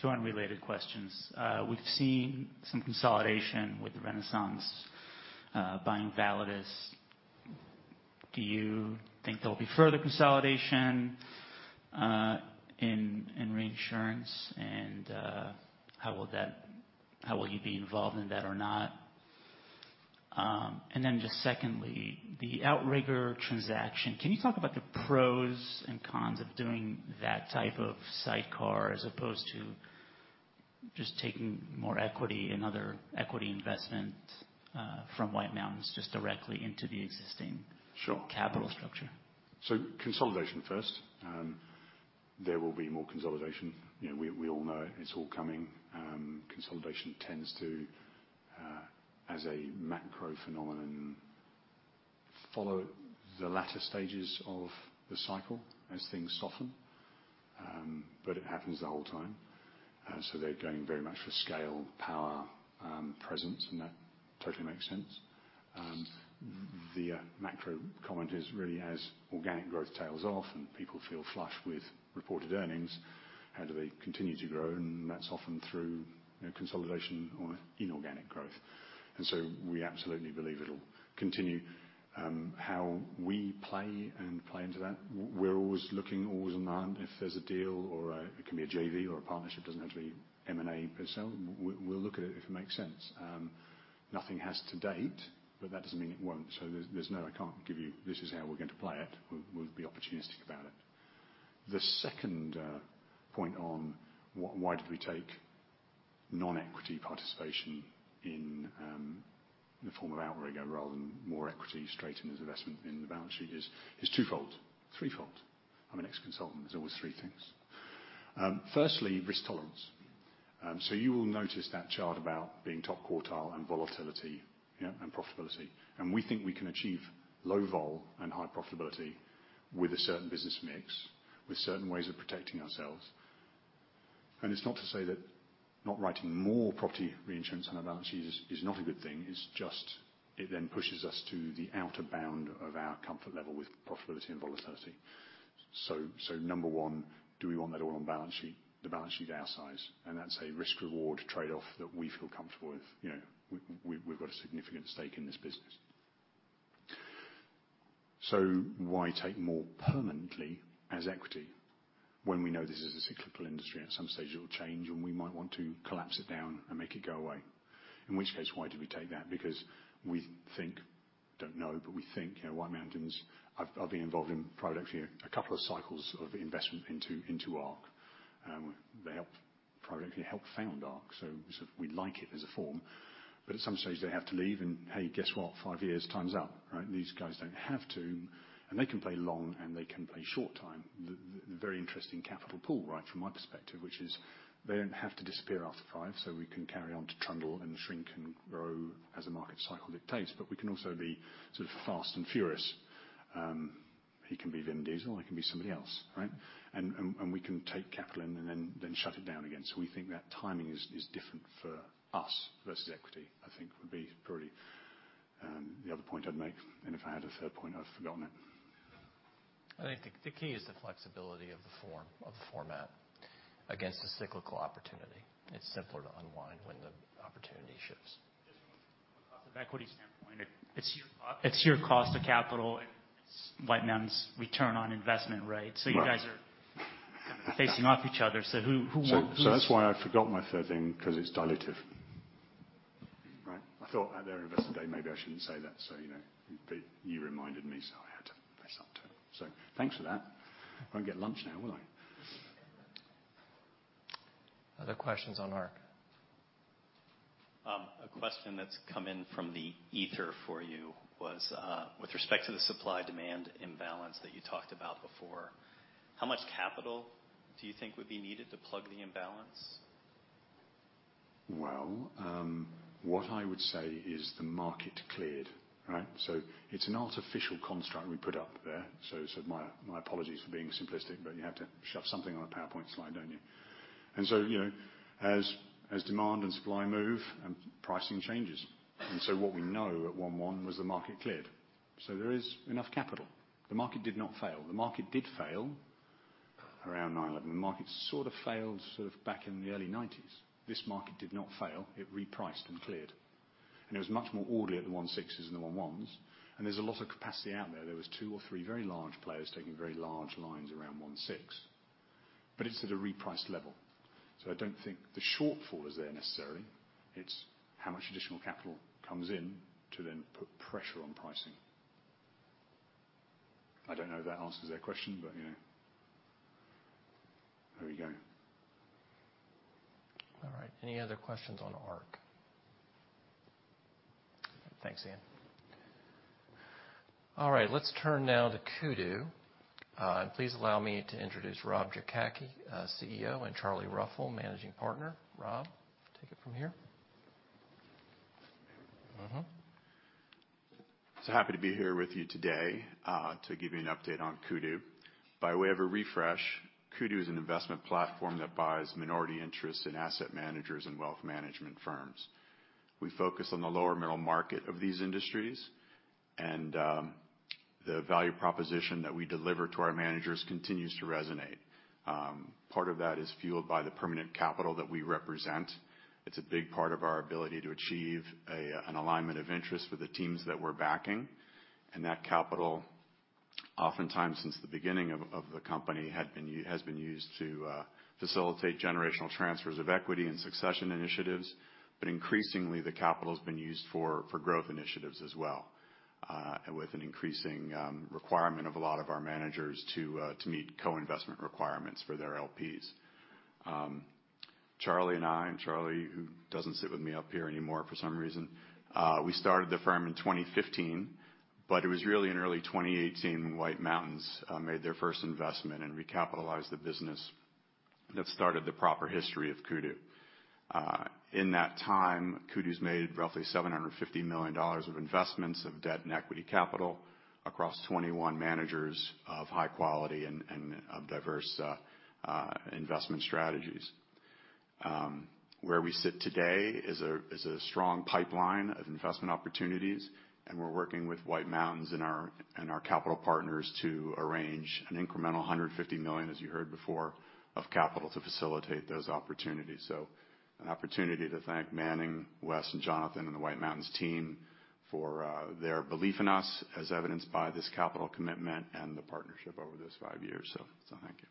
Two unrelated questions. We've seen some consolidation with Renaissance buying Validus. Do you think there'll be further consolidation in reinsurance? How will you be involved in that or not? Then just secondly, the Outrigger transaction, can you talk about the pros and cons of doing that type of sidecar as opposed to just taking more equity and other equity investments from White Mountains just directly into the existing- Sure capital structure? Consolidation first. There will be more consolidation. You know, we all know it's all coming. Consolidation tends to, as a macro phenomenon, follow the latter stages of the cycle as things soften, but it happens the whole time. They're going very much for scale, power, presence, and that totally makes sense. The macro comment is really as organic growth tails off and people feel flush with reported earnings, how do they continue to grow? That's often through, you know, consolidation or inorganic growth. We absolutely believe it'll continue. How we play and play into that, we're always looking, always on the hunt if there's a deal or it can be a JV or a partnership, doesn't have to be M&A per se. We, we'll look at it if it makes sense. Nothing has to date, but that doesn't mean it won't. There's no. I can't give you, "This is how we're going to play it." We'll be opportunistic about it. The second point on why did we take non-equity participation in the form of Outrigger rather than more equity straight into the investment in the balance sheet is twofold. Threefold. I'm an ex-consultant, there's always three things. Firstly, risk tolerance. You will notice that chart about being top quartile and volatility, yeah, and profitability. We think we can achieve low vol and high profitability with a certain business mix, with certain ways of protecting ourselves. It's not to say that not writing more property reinsurance on our balance sheet is not a good thing. It pushes us to the outer bound of our comfort level with profitability and volatility. Number one, do we want that all on balance sheet, the balance sheet our size? That's a risk/reward trade-off that we feel comfortable with. You know, we've got a significant stake in this business. Why take more permanently as equity when we know this is a cyclical industry? At some stage, it will change, and we might want to collapse it down and make it go away. In which case, why do we take that? Because we think, don't know, but we think, you know, White Mountains, I've been involved in privately a couple of cycles of investment into Ark. They helped, privately helped found Ark, sort of we like it as a form, but at some stage they have to leave, and hey, guess what? Five years, time's up, right? These guys don't have to, and they can play long, and they can play short time. The very interesting capital pool, right, from my perspective, which is they don't have to disappear after five, we can carry on to trundle and shrink and grow as the market cycle dictates, we can also be sort of fast and furious. He can be Vin Diesel, I can be somebody else, right? We can take capital in and then shut it down again. We think that timing is different for us versus equity, I think would be probably the other point I'd make, and if I had a third point, I've forgotten it. I think the key is the flexibility of the form, of the format against the cyclical opportunity. It's simpler to unwind when the opportunity shifts. Just from a cost of equity standpoint, it's your cost, it's your cost of capital, it's White Mountains' return on investment, right? Right. You guys are facing off each other, so who won? That's why I forgot my third thing, because it's dilutive. I thought at their investor day, maybe I shouldn't say that, so, you know, but you reminded me, so I had to fess up to it. Thanks for that. I won't get lunch now, will I? Other questions on Ark? A question that's come in from the ether for you was, with respect to the supply-demand imbalance that you talked about before, how much capital do you think would be needed to plug the imbalance? What I would say is the market cleared, right? It's an artificial construct we put up there. My apologies for being simplistic, but you have to shove something on a PowerPoint slide, don't you? You know, as demand and supply move and pricing changes. What we know at one-one was the market cleared, so there is enough capital. The market did not fail. The market did fail around 9/11. The market sort of failed back in the early nineties. This market did not fail. It repriced and cleared, and it was much more orderly at the one-sixes than the one-ones, and there's a lot of capacity out there. There was two or three very large players taking very large lines around one-six, but it's at a repriced level. I don't think the shortfall is there necessarily. It's how much additional capital comes in to then put pressure on pricing. I don't know if that answers their question, you know, there we go. All right, any other questions on Ark? Thanks, Ian. All right, let's turn now to Kudu. Please allow me to introduce Rob Jakacki, CEO, and Charlie Ruffel, Managing Partner. Rob, take it from here. Happy to be here with you today to give you an update on Kudu. By way of a refresh, Kudu is an investment platform that buys minority interests in asset managers and wealth management firms. We focus on the lower middle market of these industries, the value proposition that we deliver to our managers continues to resonate. Part of that is fueled by the permanent capital that we represent. It's a big part of our ability to achieve an alignment of interest with the teams that we're backing, that capital, oftentimes, since the beginning of the company, has been used to facilitate generational transfers of equity and succession initiatives. Increasingly, the capital's been used for growth initiatives as well, with an increasing requirement of a lot of our managers to meet co-investment requirements for their LPs. Charlie and I, and Charlie, who doesn't sit with me up here anymore for some reason, we started the firm in 2015, but it was really in early 2018, White Mountains made their first investment and recapitalized the business that started the proper history of Kudu. In that time, Kudu's made roughly $750 million of investments of debt and equity capital across 21 managers of high quality and of diverse investment strategies. Where we sit today is a strong pipeline of investment opportunities, and we're working with White Mountains and our capital partners to arrange an incremental $150 million, as you heard before, of capital, to facilitate those opportunities. An opportunity to thank Manning, Wes, and Jonathan, and the White Mountains team for their belief in us, as evidenced by this capital commitment and the partnership over this five years. Thank you.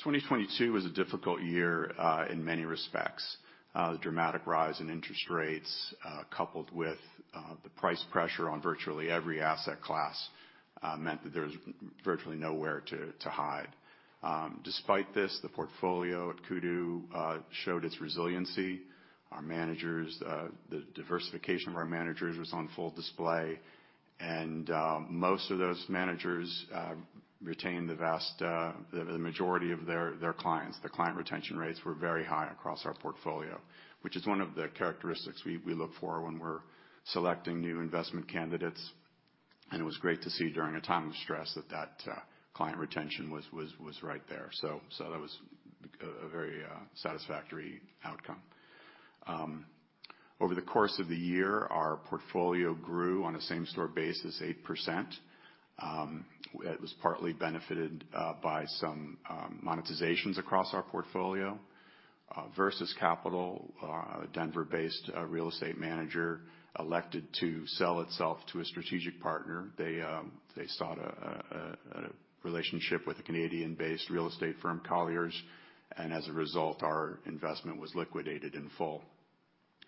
2022 was a difficult year in many respects. The dramatic rise in interest rates, coupled with the price pressure on virtually every asset class, meant that there was virtually nowhere to hide. Despite this, the portfolio at Kudu showed its resiliency. Our managers, the diversification of our managers was on full display, and most of those managers retained the vast majority of their clients. The client retention rates were very high across our portfolio, which is one of the characteristics we look for when we're selecting new investment candidates. It was great to see, during a time of stress, that client retention was right there. That was a very satisfactory outcome. Over the course of the year, our portfolio grew on a same-store basis, 8%. It was partly benefited by some monetizations across our portfolio versus capital. A Denver-based real estate manager elected to sell itself to a strategic partner. They sought a relationship with a Canadian-based real estate firm, Colliers, and as a result, our investment was liquidated in full.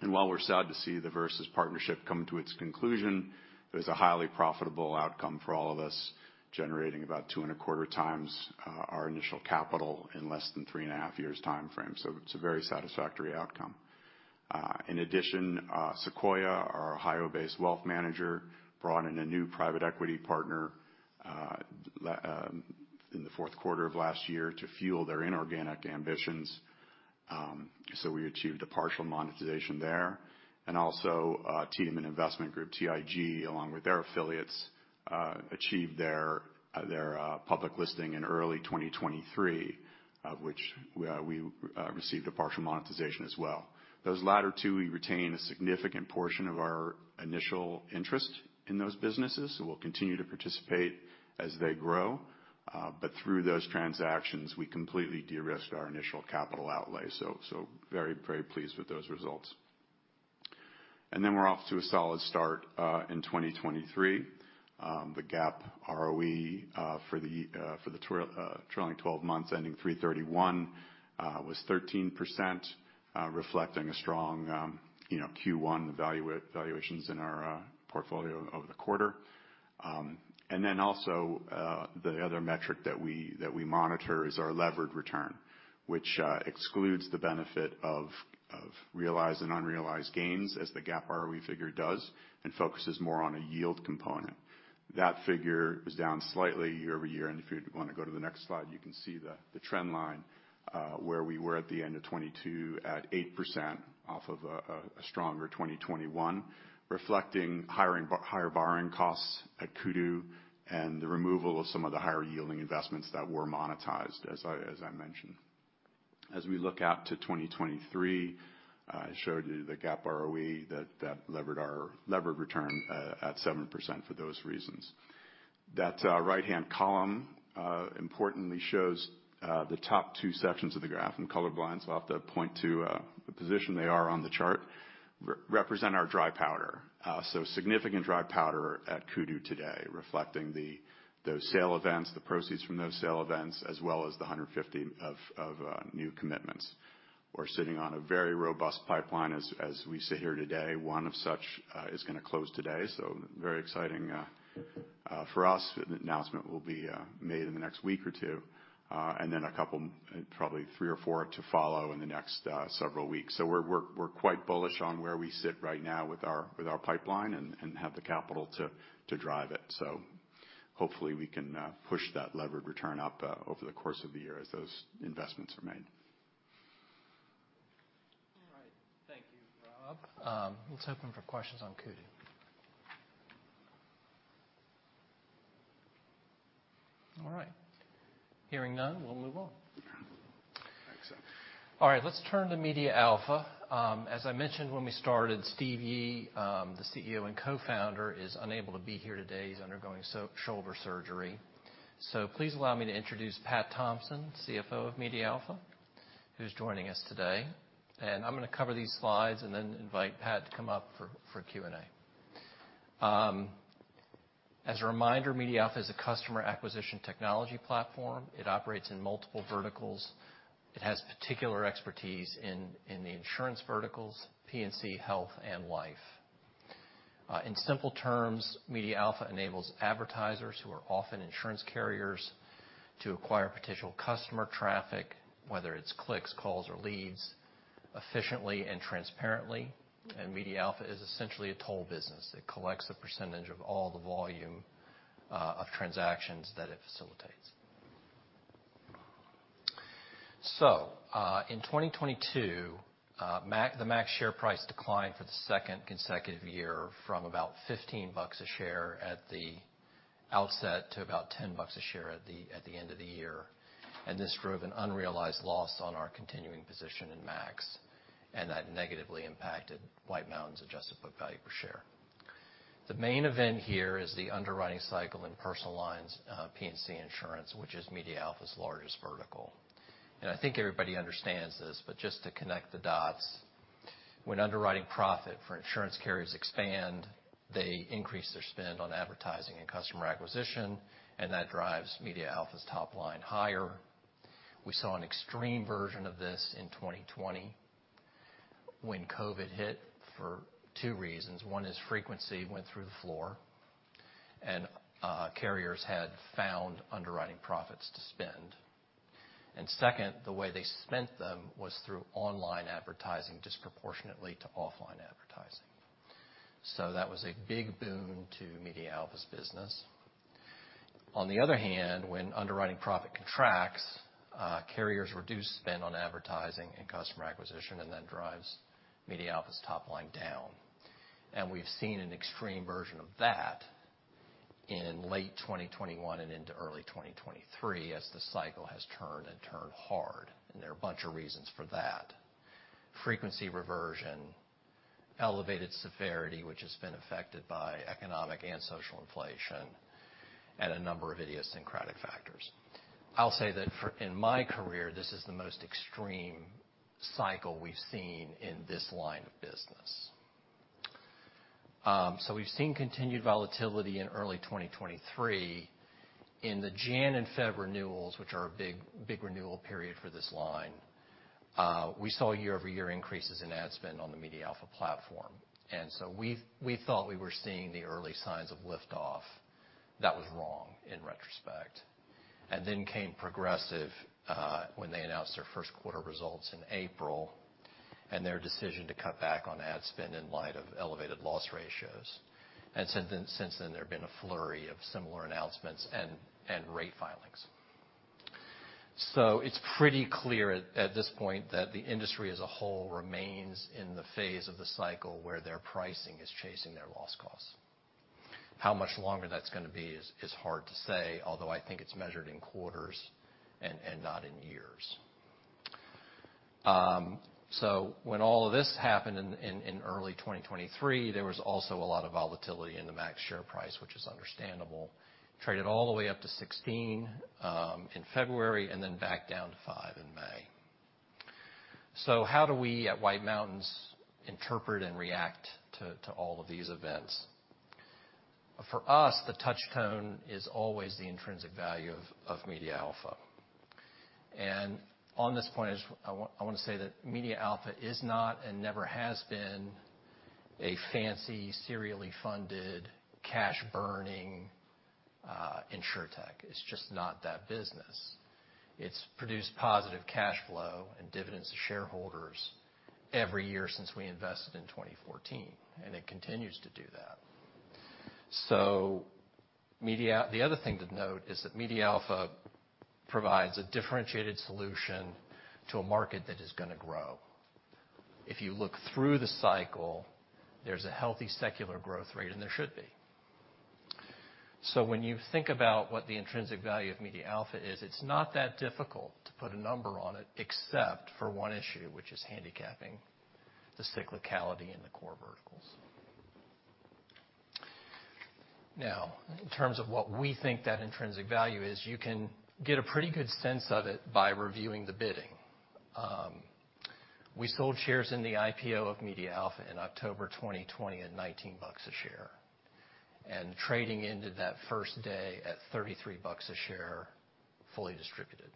While we're sad to see the versus partnership come to its conclusion, it was a highly profitable outcome for all of us, generating about two and a quarter times our initial capital in less than three and a half years timeframe. It's a very satisfactory outcome. In addition, Sequoia, our Ohio-based wealth manager, brought in a new private equity partner in the fourth quarter of last year, to fuel their inorganic ambitions. We achieved a partial monetization there. Also, Tiedemann Investment Group, TIG, along with their affiliates, achieved their public listing in early 2023, of which we received a partial monetization as well. Those latter two, we retain a significant portion of our initial interest in those businesses, so we'll continue to participate as they grow. Through those transactions, we completely de-risked our initial capital outlay, so very, very pleased with those results. We're off to a solid start in 2023. The GAAP ROE for the trailing 12 months, ending 3/31, was 13%, reflecting a strong, you know, Q1 valuations in our portfolio over the quarter. Also, the other metric that we monitor is our levered return, which excludes the benefit of realized and unrealized gains as the GAAP ROE figure does, and focuses more on a yield component. That figure is down slightly year-over-year. If you'd wanna go to the next slide, you can see the trend line, where we were at the end of 2022, at 8%, off of a stronger 2021, reflecting higher borrowing costs at Kudu, and the removal of some of the higher-yielding investments that were monetized, as I mentioned. As we look out to 2023, I showed you the GAAP ROE, that levered our levered return, at 7% for those reasons. That right-hand column, importantly shows the top two sections of the graph. I'm colorblind, so I'll have to point to the position they are on the chart. represent our dry powder. Significant dry powder at Kudu today, reflecting those sale events, the proceeds from those sale events, as well as the $150 of new commitments. We're sitting on a very robust pipeline as we sit here today. One of such is gonna close today, so very exciting for us. An announcement will be made in the next week or 2, and then a couple, probably 3 or 4, to follow in the next several weeks. We're quite bullish on where we sit right now with our pipeline and have the capital to drive it. Hopefully we can push that levered return up over the course of the year as those investments are made. All right. Thank you, Rob. Let's open for questions on Kudu. All right. Hearing none, we'll move on. Excellent. All right, let's turn to MediaAlpha. As I mentioned when we started, Steve Yi, the CEO and Co-founder, is unable to be here today. He's undergoing shoulder surgery. Please allow me to introduce Pat Thompson, CFO of MediaAlpha, who's joining us today. I'm gonna cover these slides and then invite Pat to come up for Q&A. As a reminder, MediaAlpha is a customer acquisition technology platform. It operates in multiple verticals. It has particular expertise in the insurance verticals, P&C health and life. In simple terms, MediaAlpha enables advertisers, who are often insurance carriers, to acquire potential customer traffic, whether it's clicks, calls or leads, efficiently and transparently, and MediaAlpha is essentially a toll business. It collects a percentage of all the volume of transactions that it facilitates. In 2022, MAX, the MAX share price declined for the second consecutive year from about $15 a share at the outset, to about $10 a share at the end of the year. This drove an unrealized loss on our continuing position in MAX, and that negatively impacted White Mountains' adjusted book value per share. The main event here is the underwriting cycle in personal lines P&C insurance, which is MediaAlpha's largest vertical. I think everybody understands this, but just to connect the dots, when underwriting profit for insurance carriers expand, they increase their spend on advertising and customer acquisition, and that drives MediaAlpha's top line higher. We saw an extreme version of this in 2020 when COVID hit, for 2 reasons. One is, frequency went through the floor, and carriers had found underwriting profits to spend. Second, the way they spent them was through online advertising, disproportionately to offline advertising. That was a big boon to MediaAlpha's business. On the other hand, when underwriting profit contracts, carriers reduce spend on advertising and customer acquisition, and that drives MediaAlpha's top line down. We've seen an extreme version of that in late 2021 and into early 2023, as the cycle has turned and turned hard, and there are a bunch of reasons for that. Frequency reversion, elevated severity, which has been affected by economic and social inflation, and a number of idiosyncratic factors. I'll say that in my career, this is the most extreme cycle we've seen in this line of business. We've seen continued volatility in early 2023. In the January and February renewals, which are a big renewal period for this line, we saw year-over-year increases in ad spend on the MediaAlpha platform, we thought we were seeing the early signs of lift-off. That was wrong, in retrospect. Then came Progressive, when they announced their first quarter results in April, and their decision to cut back on ad spend in light of elevated loss ratios. Since then there have been a flurry of similar announcements and rate filings. It's pretty clear at this point that the industry as a whole remains in the phase of the cycle where their pricing is chasing their loss costs. How much longer that's gonna be is hard to say, although I think it's measured in quarters and not in years. When all of this happened in early 2023, there was also a lot of volatility in the MAX share price, which is understandable. Traded all the way up to $16 in February, and then back down to $5 in May. How do we at White Mountains interpret and react to all of these events? For us, the touchstone is always the intrinsic value of MediaAlpha. On this point, I want to say that MediaAlpha is not, and never has been, a fancy, serially funded, cash-burning insurtech. It's just not that business. It's produced positive cash flow and dividends to shareholders every year since we invested in 2014, and it continues to do that. The other thing to note is that MediaAlpha provides a differentiated solution to a market that is gonna grow. If you look through the cycle, there's a healthy secular growth rate, and there should be. When you think about what the intrinsic value of MediaAlpha is, it's not that difficult to put a number on it, except for one issue, which is handicapping the cyclicality in the core verticals. Now, in terms of what we think that intrinsic value is, you can get a pretty good sense of it by reviewing the bidding. We sold shares in the IPO of MediaAlpha in October 2020, at $19 a share, and trading into that first day at $33 a share, fully distributed.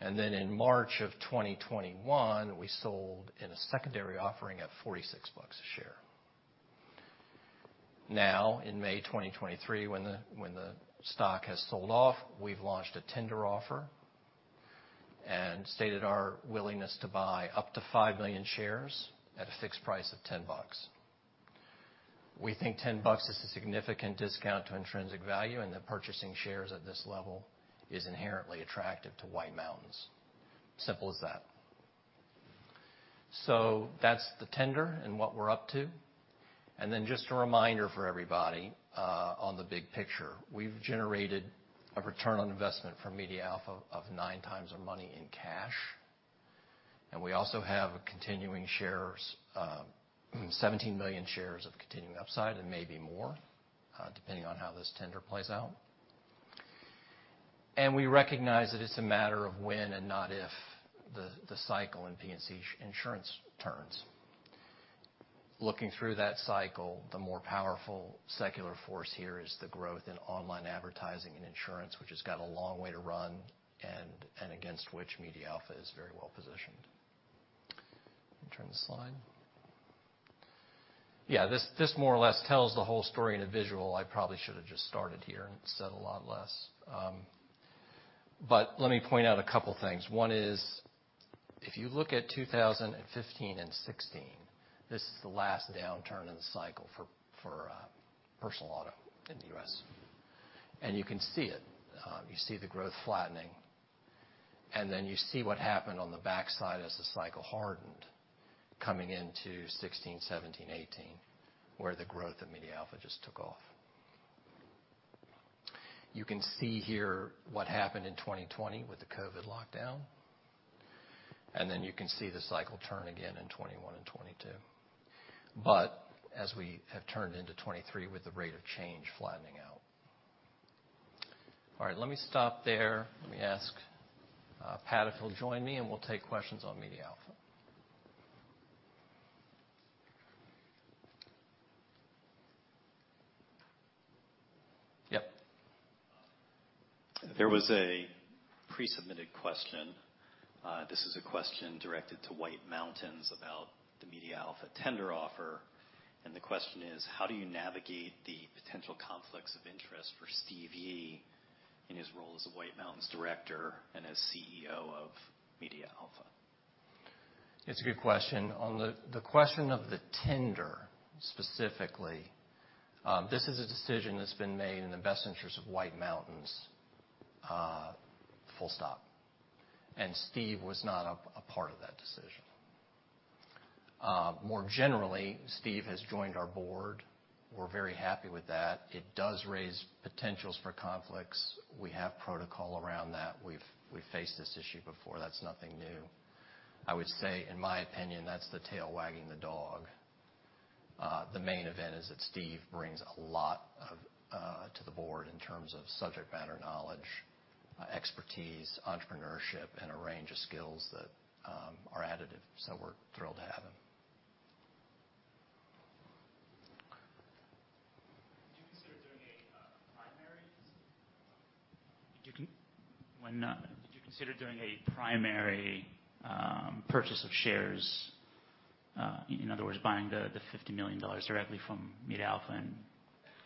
Then in March 2021, we sold in a secondary offering at $46 a share. In May 2023, when the stock has sold off, we've launched a tender offer and stated our willingness to buy up to 5 million shares at a fixed price of $10. We think $10 is a significant discount to intrinsic value, and that purchasing shares at this level is inherently attractive to White Mountains. Simple as that. That's the tender and what we're up to. Just a reminder for everybody on the big picture, we've generated a return on investment from MediaAlpha of 9 times our money in cash, and we also have a continuing shares, 17 million shares of continuing upside, and maybe more depending on how this tender plays out. We recognize that it's a matter of when and not if, the cycle in P&C insurance turns. Looking through that cycle, the more powerful secular force here is the growth in online advertising and insurance, which has got a long way to run and against which MediaAlpha is very well positioned. Let me turn the slide. Yeah, this more or less tells the whole story in a visual. I probably should have just started here and said a lot less. Let me point out a couple things. One is, if you look at 2015 and 2016, this is the last downturn in the cycle for personal auto in the U.S. You can see it. You see the growth flattening, and then you see what happened on the backside as the cycle hardened, coming into 2016, 2017, 2018, where the growth of MediaAlpha just took off. You can see here what happened in 2020 with the COVID lockdown, and then you can see the cycle turn again in 2021 and 2022. As we have turned into 2023 with the rate of change flattening out. All right, let me stop there. Let me ask Pat, if he'll join me, and we'll take questions on MediaAlpha. Yep. There was a pre-submitted question. This is a question directed to White Mountains about the MediaAlpha tender offer, the question is: how do you navigate the potential conflicts of interest for Steve Yi in his role as a White Mountains director and as CEO of MediaAlpha? It's a good question. On the question of the tender, specifically, this is a decision that's been made in the best interest of White Mountains, full stop. Steve Yi was not a part of that decision. More generally, Steve Yi has joined our board. We're very happy with that. It does raise potentials for conflicts. We have protocol around that. We've faced this issue before. That's nothing new. I would say, in my opinion, that's the tail wagging the dog. The main event is that Steve Yi brings a lot to the board in terms of subject matter knowledge, expertise, entrepreneurship, and a range of skills that are additive, so we're thrilled to have him. Did you consider doing a primary purchase of shares? In other words, buying the $50 million directly from MediaAlpha and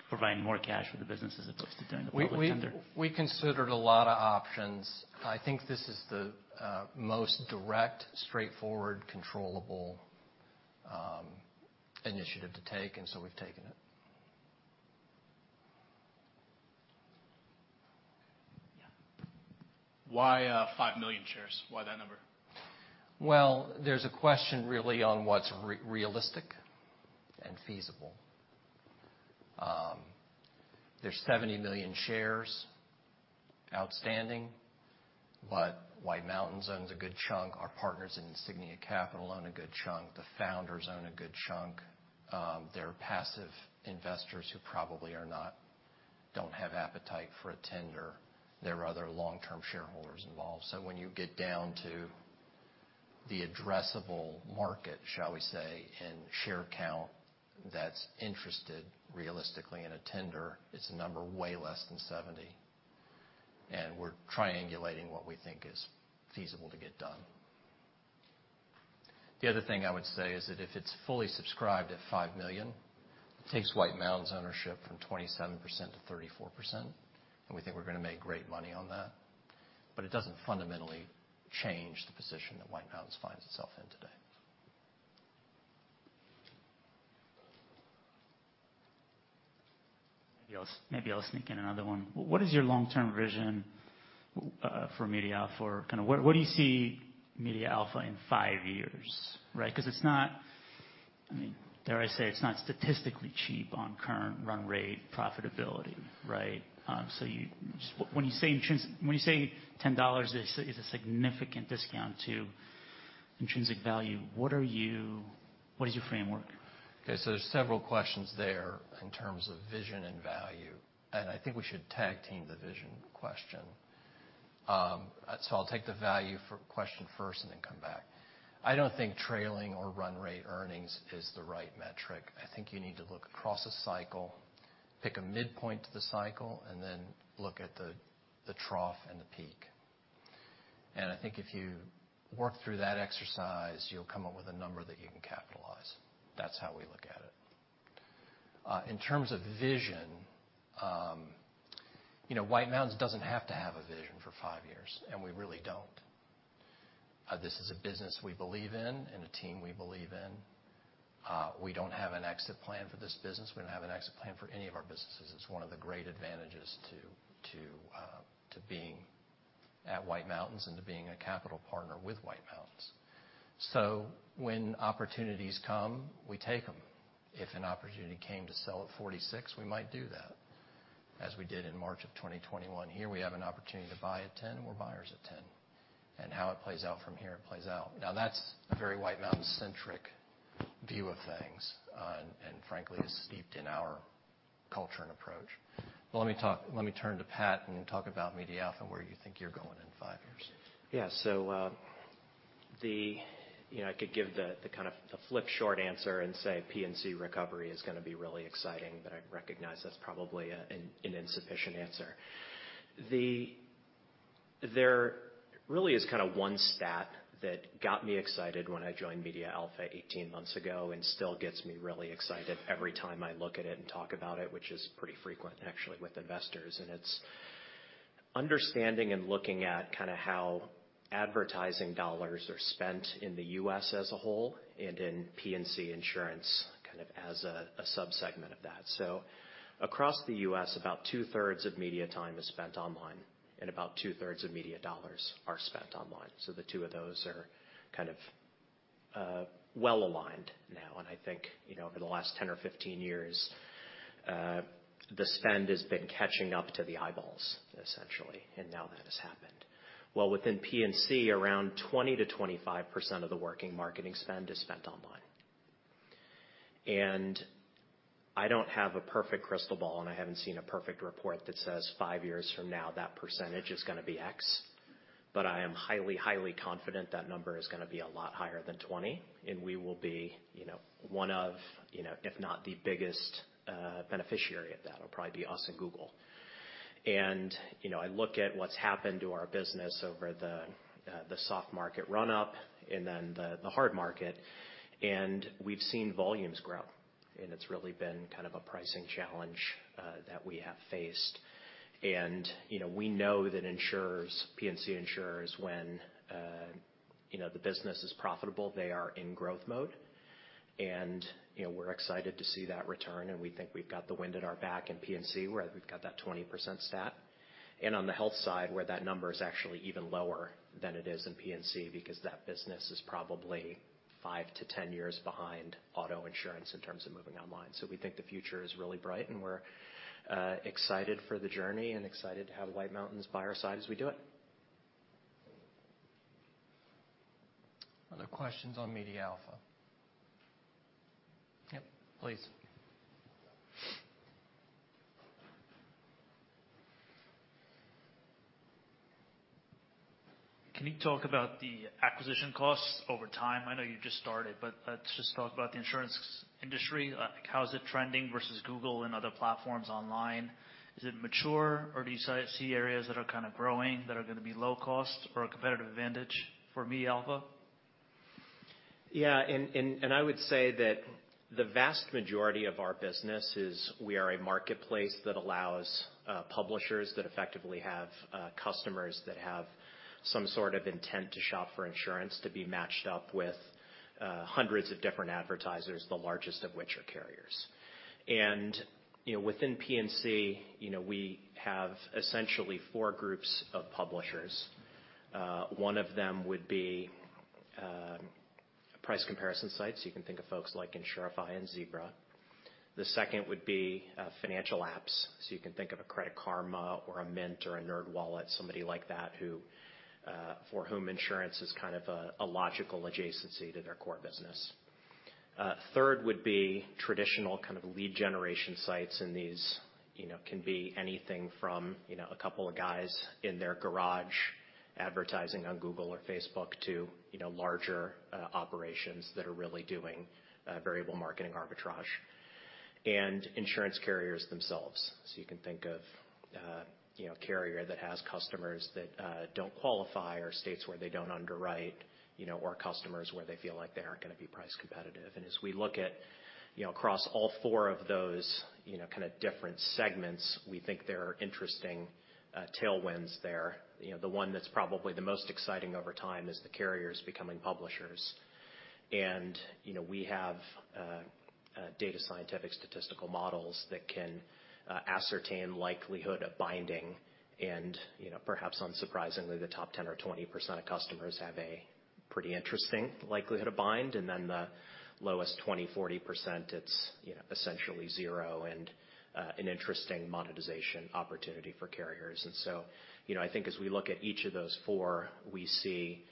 providing more cash for the business as opposed to doing the public tender? We considered a lot of options. I think this is the most direct, straightforward, controllable initiative to take, and so we've taken it. Yeah. Why, 5 million shares? Why that number? Well, there's a question really on what's realistic and feasible. There's 70 million shares outstanding, White Mountains owns a good chunk. Our partners in Insignia Capital own a good chunk. The founders own a good chunk. There are passive investors who probably don't have appetite for a tender. There are other long-term shareholders involved. When you get down to the addressable market, shall we say, in share count that's interested realistically in a tender, it's a number way less than 70, and we're triangulating what we think is feasible to get done. The other thing I would say is that if it's fully subscribed at $5 million, it takes White Mountains' ownership from 27% to 34%, and we think we're gonna make great money on that, it doesn't fundamentally change the position that White Mountains finds itself in today. Maybe I'll, maybe I'll sneak in another one. What is your long-term vision for MediaAlpha? Or kind of what do you see MediaAlpha in five years, right? Because it's not, I mean, dare I say, it's not statistically cheap on current run rate profitability, right? Just when you say when you say $10 is a significant discount to intrinsic value, what is your framework? There's several questions there in terms of vision and value, and I think we should tag-team the vision question. I'll take the value for question first and then come back. I don't think trailing or run rate earnings is the right metric. I think you need to look across a cycle, pick a midpoint to the cycle, and then look at the trough and the peak. I think if you work through that exercise, you'll come up with a number that you can capitalize. That's how we look at it. In terms of vision, you know, White Mountains doesn't have to have a vision for five years, and we really don't. This is a business we believe in and a team we believe in. We don't have an exit plan for this business. We don't have an exit plan for any of our businesses. It's one of the great advantages to being at White Mountains and to being a capital partner with White Mountains. When opportunities come, we take them. If an opportunity came to sell at $46, we might do that, as we did in March of 2021. Here, we have an opportunity to buy at $10, we're buyers at $10. How it plays out from here, it plays out. Now, that's a very White Mountains-centric view of things, and frankly, is steeped in our culture and approach. Let me turn to Pat and talk about MediaAlpha and where you think you're going in five years. Yeah. You know, I could give the kind of the flip short answer and say, P&C recovery is gonna be really exciting. I recognize that's probably an insufficient answer. There really is kind of one stat that got me excited when I joined MediaAlpha 18 months ago and still gets me really excited every time I look at it and talk about it, which is pretty frequent, actually, with investors. It's understanding and looking at kind of how advertising dollars are spent in the U.S. as a whole and in P&C insurance kind of as a subsegment of that. Across the U.S., about two-thirds of media time is spent online. About two-thirds of media dollars are spent online. The two of those are kind of well aligned now. I think, you know, over the last 10 or 15 years, the spend has been catching up to the eyeballs, essentially, and now that has happened. Well, within P&C, around 20%-25% of the working marketing spend is spent online. I don't have a perfect crystal ball, and I haven't seen a perfect report that says five years from now, that percentage is gonna be X, but I am highly confident that number is gonna be a lot higher than 20, and we will be, you know, one of, if not the biggest, beneficiary of that. It'll probably be us and Google. You know, I look at what's happened to our business over the soft market run-up and then the hard market, and we've seen volumes grow, and it's really been kind of a pricing challenge that we have faced. You know, we know that insurers, P&C insurers, when, you know, the business is profitable, they are in growth mode. You know, we're excited to see that return, and we think we've got the wind at our back in P&C, where we've got that 20% stat. On the health side, where that number is actually even lower than it is in P&C, because that business is probably five to 10 years behind auto insurance in terms of moving online. We think the future is really bright, and we're excited for the journey and excited to have White Mountains by our side as we do it. Other questions on MediaAlpha? Yep, please. Can you talk about the acquisition costs over time? I know you just started, but let's just talk about the insurance industry. How is it trending Verisk Google and other platforms online? Is it mature, or do you see areas that are kind of growing, that are gonna be low cost or a competitive advantage for MediaAlpha? Yeah, I would say that the vast majority of our business is we are a marketplace that allows publishers that effectively have customers that have some sort of intent to shop for insurance, to be matched up with hundreds of different advertisers, the largest of which are carriers. You know, within P&C, you know, we have essentially four groups of publishers. One of them would be price comparison sites. You can think of folks like Insurify and Zebra. The second would be financial apps. You can think of a Credit Karma or a Mint or a NerdWallet, somebody like that, who for whom insurance is kind of a logical adjacency to their core business. third would be traditional kind of lead generation sites, and these, you know, can be anything from, you know, a couple of guys in their garage advertising on Google or Facebook to, you know, larger operations that are really doing variable marketing arbitrage. Insurance carriers themselves. You can think of, you know, a carrier that has customers that don't qualify, or states where they don't underwrite, you know, or customers where they feel like they aren't gonna be price competitive. As we look at, you know, across all four of those, you know, kind of different segments, we think there are interesting tailwinds there. You know, the one that's probably the most exciting over time is the carriers becoming publishers. We have, you know, data scientific statistical models that can ascertain likelihood of binding. You know, perhaps unsurprisingly, the top 10 or 20% of customers have a pretty interesting likelihood to bind, and then the lowest 20, 40%, it's, you know, essentially zero, and an interesting monetization opportunity for carriers. You know, I think as we look at each of those four, we see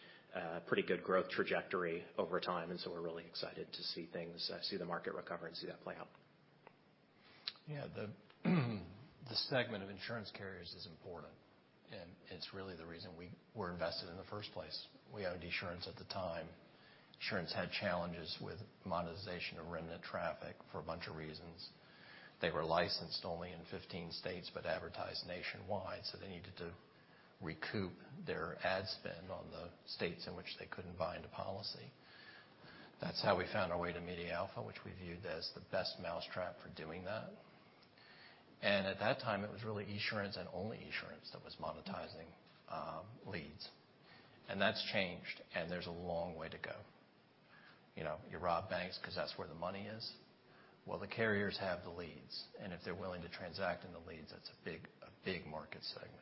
pretty good growth trajectory over time, and so we're really excited to see the market recover and see that play out. Yeah, the segment of insurance carriers is important. It's really the reason we were invested in the first place. We owned Esurance at the time. Esurance had challenges with monetization of remnant traffic for a bunch of reasons. They were licensed only in 15 states, advertised nationwide. They needed to recoup their ad spend on the states in which they couldn't bind a policy. That's how we found our way to MediaAlpha, which we viewed as the best mousetrap for doing that. At that time, it was really Esurance, and only Esurance, that was monetizing leads. That's changed, and there's a long way to go. You know, you rob banks 'cause that's where the money is. Well, the carriers have the leads, and if they're willing to transact in the leads, that's a big market segment.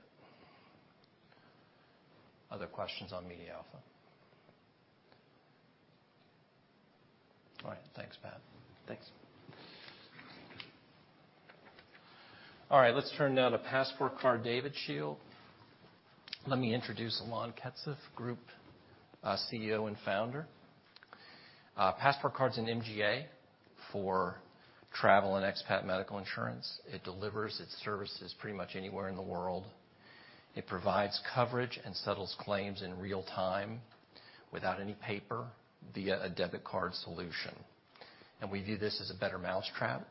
Other questions on MediaAlpha? All right, thanks, Pat. Thanks. All right, let's turn now to PassportCard DavidShield. Let me introduce Alon Ketzef, Group CEO and Founder. PassportCard's an MGA for travel and expat medical insurance. It delivers its services pretty much anywhere in the world. It provides coverage and settles claims in real time, without any paper, via a debit card solution. We view this as a better mousetrap,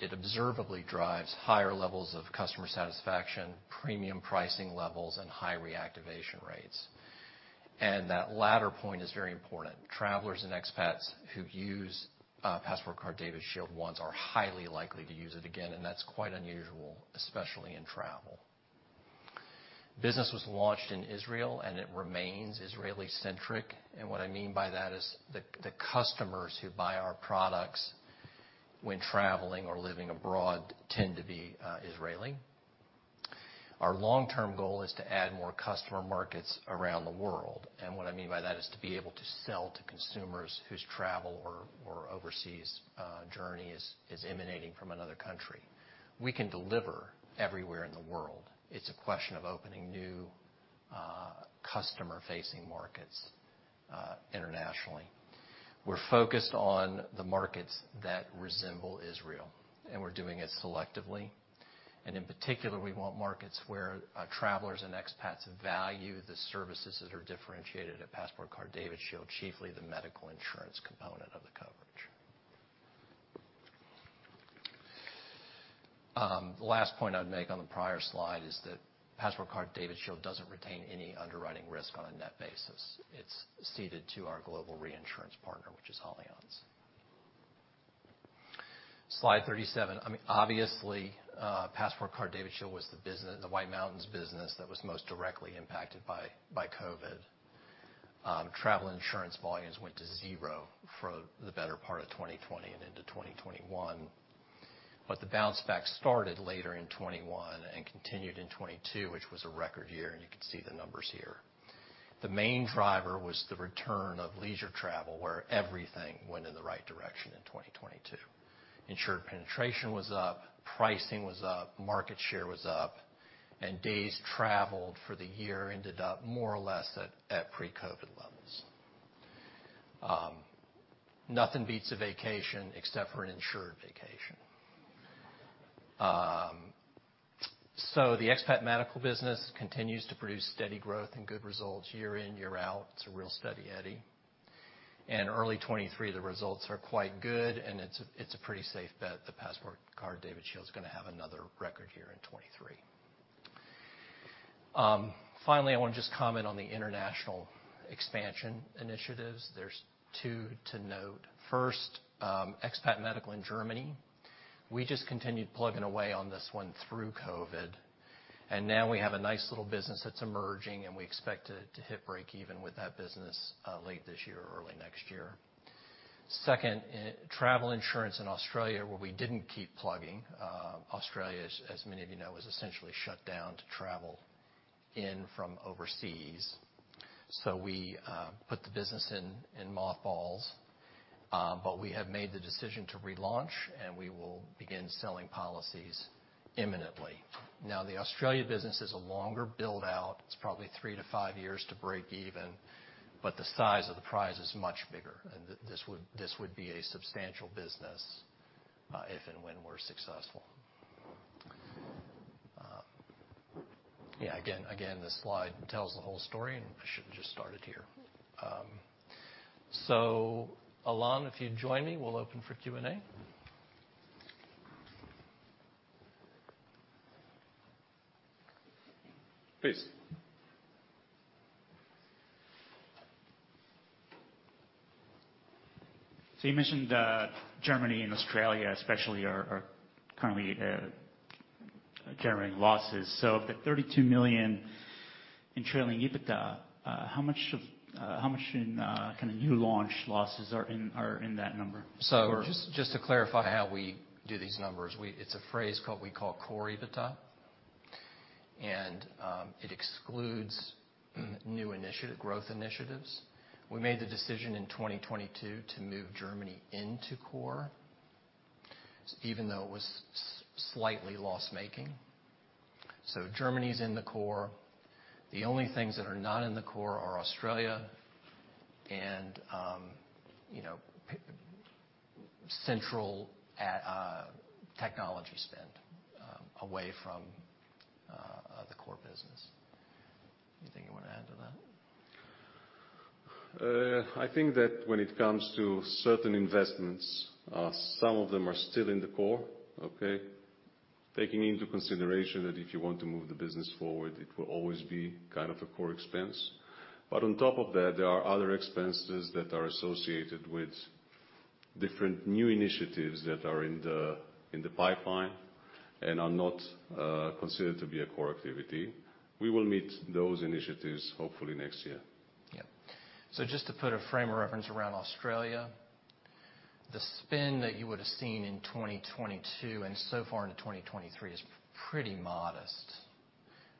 it observably drives higher levels of customer satisfaction, premium pricing levels, and high reactivation rates. That latter point is very important. Travelers and expats who use PassportCard DavidShield once are highly likely to use it again, and that's quite unusual, especially in travel. Business was launched in Israel. It remains Israeli-centric. What I mean by that is, the customers who buy our products when traveling or living abroad tend to be Israeli. Our long-term goal is to add more customer markets around the world. What I mean by that is to be able to sell to consumers whose travel or overseas journey is emanating from another country. We can deliver everywhere in the world. It's a question of opening new customer-facing markets internationally. We're focused on the markets that resemble Israel, and we're doing it selectively. In particular, we want markets where travelers and expats value the services that are differentiated at PassportCard DavidShield, chiefly the medical insurance component of the coverage. The last point I'd make on the prior slide is that PassportCard DavidShield doesn't retain any underwriting risk on a net basis. It's ceded to our global reinsurance partner, which is Allianz. Slide 37. I mean, obviously, PassportCard DavidShield was the White Mountains business that was most directly impacted by COVID. Travel insurance volumes went to zero for the better part of 2020 and into 2021. The bounce back started later in 2021 and continued in 2022, which was a record year, and you can see the numbers here. The main driver was the return of leisure travel, where everything went in the right direction in 2022. Insured penetration was up, pricing was up, market share was up, and days traveled for the year ended up more or less at pre-COVID levels. Nothing beats a vacation except for an insured vacation. The expat medical business continues to produce steady growth and good results year in, year out. It's a real Steady Eddie. Early 2023, the results are quite good, and it's a pretty safe bet that PassportCard DavidShield is gonna have another record year in 2023. Finally, I want to just comment on the international expansion initiatives. There's two to note. First, expat medical in Germany. We just continued plugging away on this one through COVID, and now we have a nice little business that's emerging, and we expect it to hit break even with that business late this year or early next year. Second, travel insurance in Australia, where we didn't keep plugging. Australia, as many of you know, was essentially shut down to travel in from overseas. We put the business in mothballs, but we have made the decision to relaunch, and we will begin selling policies imminently. The Australia business is a longer build-out. It's probably three to five years to break even, but the size of the prize is much bigger, and this would be a substantial business, if and when we're successful. Yeah, again, this slide tells the whole story, and I should have just started here. Alon, if you'd join me, we'll open for Q&A. Please. You mentioned Germany and Australia especially are currently generating losses. The $32 million in trailing EBITDA, how much of how much in kind of new launch losses are in that number? Just to clarify how we do these numbers, it's a phrase called, we call core EBITDA, and it excludes new initiative, growth initiatives. We made the decision in 2022 to move Germany into core, even though it was slightly loss-making. Germany is in the core. The only things that are not in the core are Australia and, you know, central technology spend away from the core business. Anything you want to add to that? I think that when it comes to certain investments, some of them are still in the core, okay? Taking into consideration that if you want to move the business forward, it will always be kind of a core expense. On top of that, there are other expenses that are associated with different new initiatives that are in the pipeline and are not considered to be a core activity. We will meet those initiatives hopefully next year. Yeah. Just to put a frame of reference around Australia, the spin that you would have seen in 2022 and so far into 2023 is pretty modest.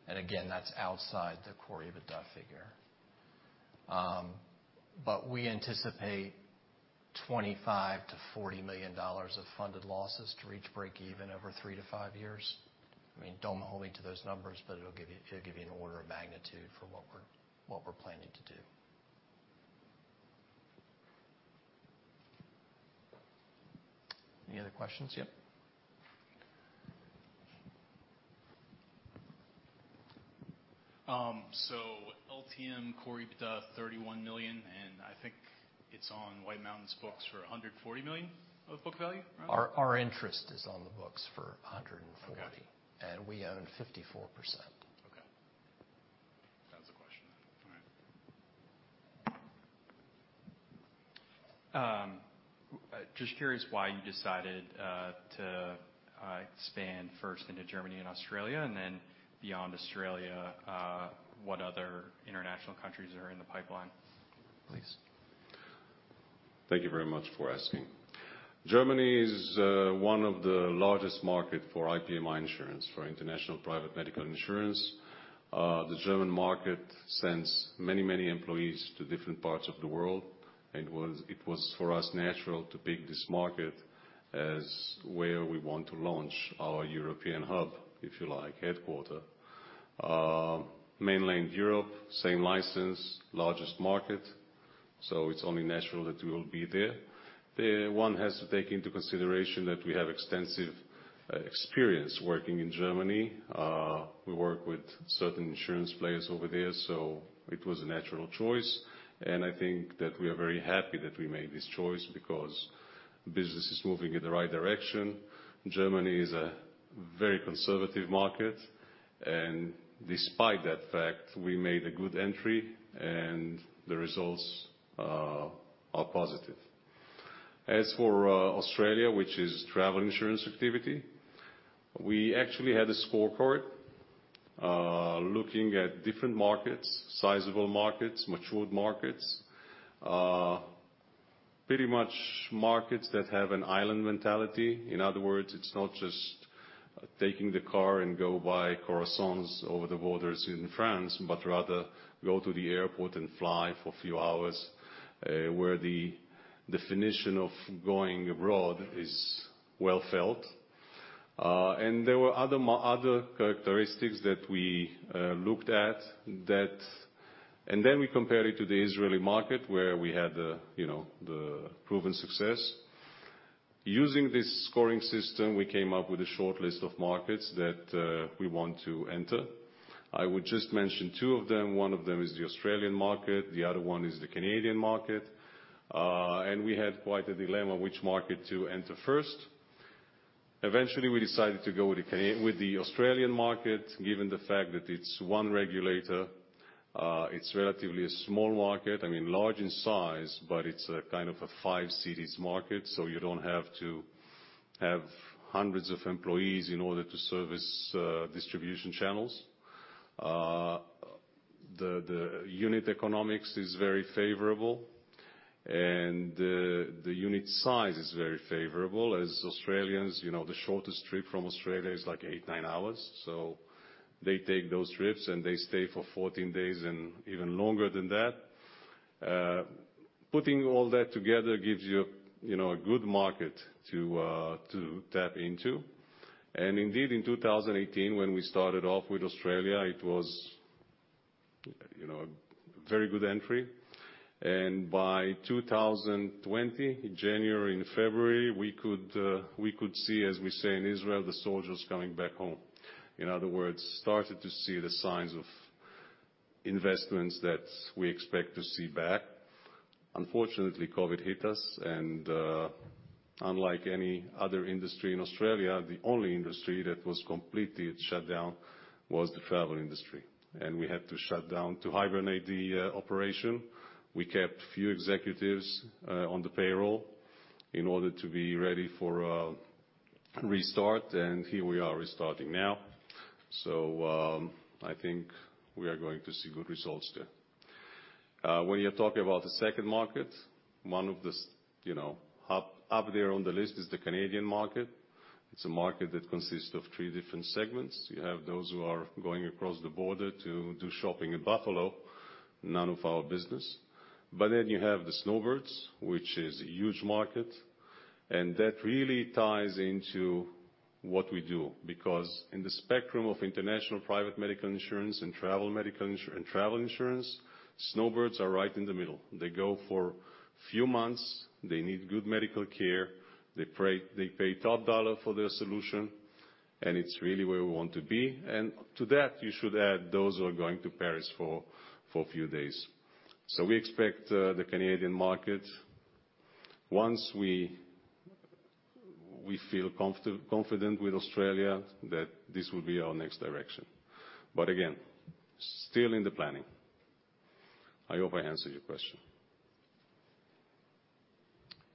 And again, that's outside the core EBITDA figure. But we anticipate $25-40 million of funded losses to reach break even over three to five years. I mean, don't hold me to those numbers, but it'll give you an order of magnitude for what we're planning to do. Any other questions? Yep. LTM core EBITDA, $31 million, and I think it's on White Mountains' books for $140 million of book value? Our interest is on the books for $140. Okay. we own 54%. Okay. That was the question. All right. Just curious why you decided to expand first into Germany and Australia, then beyond Australia, what other international countries are in the pipeline? Please. Thank you very much for asking. Germany is one of the largest market for IPMI insurance, for International Private Medical Insurance. The German market sends many, many employees to different parts of the world, it was for us natural to pick this market as where we want to launch our European hub, if you like, headquarter. Mainland Europe, same license, largest market, so it's only natural that we will be there. One has to take into consideration that we have extensive experience working in Germany. We work with certain insurance players over there, so it was a natural choice, and I think that we are very happy that we made this choice because business is moving in the right direction. Germany is a very conservative market, and despite that fact, we made a good entry, and the results are positive. As for Australia, which is travel insurance activity, we actually had a scorecard, looking at different markets, sizable markets, matured markets, pretty much markets that have an island mentality. In other words, it's not just taking the car and go buy croissants over the borders in France, but rather go to the airport and fly for a few hours, where the definition of going abroad is well felt. There were other characteristics that we looked at that. We compared it to the Israeli market, where we had the, you know, the proven success. Using this scoring system, we came up with a shortlist of markets that we want to enter. I would just mention two of them. One of them is the Australian market, the other one is the Canadian market. We had quite a dilemma which market to enter first. Eventually, we decided to go with the Australian market, given the fact that it's one regulator, it's relatively a small market, I mean, large in size, but it's a kind of a five cities market, so you don't have to have hundreds of employees in order to service distribution channels. The unit economics is very favorable, and the unit size is very favorable, as Australians, you know, the shortest trip from Australia is like eight, nine hours. They take those trips, and they stay for 14 days and even longer than that. Putting all that together gives you know, a good market to tap into. Indeed, in 2018, when we started off with Australia, it was, you know, a very good entry. By 2020, January and February, we could see, as we say in Israel, the soldiers coming back home. In other words, started to see the signs of investments that we expect to see back. Unfortunately, COVID hit us, and, unlike any other industry in Australia, the only industry that was completely shut down was the travel industry, and we had to shut down to hibernate the operation. We kept few executives on the payroll in order to be ready for a restart, and here we are restarting now. I think we are going to see good results there. When you're talking about the second market, one of the, you know, up there on the list is the Canadian market. It's a market that consists of three different segments. You have those who are going across the border to do shopping in Buffalo, none of our business. You have the snowbirds, which is a huge market, and that really ties into what we do, because in the spectrum of International Private Medical Insurance and travel insurance, snowbirds are right in the middle. They go for few months, they need good medical care, they pay top dollar for their solution, and it's really where we want to be. To that, you should add those who are going to Paris for a few days. We expect the Canadian market, once we feel confident with Australia, that this will be our next direction. Again, still in the planning. I hope I answered your question.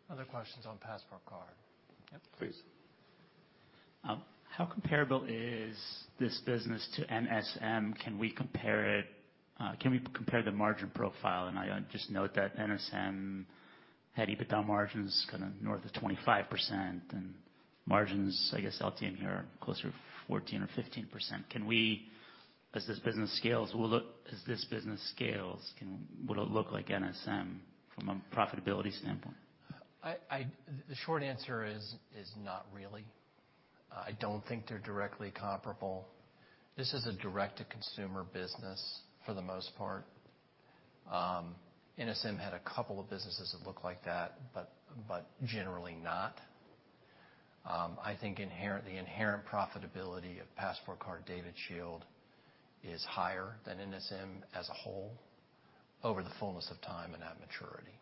Other questions on PassportCard? Yep, please. How comparable is this business to NSM? Can we compare the margin profile? I just note that NSM had EBITDA margins kind of north of 25%, and margins, I guess, LTM here are closer to 14% or 15%. Can we, as this business scales, will it look like NSM from a profitability standpoint? The short answer is not really. I don't think they're directly comparable. This is a direct-to-consumer business for the most part. NSM had a couple of businesses that looked like that, but generally not. I think the inherent profitability of PassportCard DavidShield is higher than NSM as a whole, over the fullness of time and at maturity.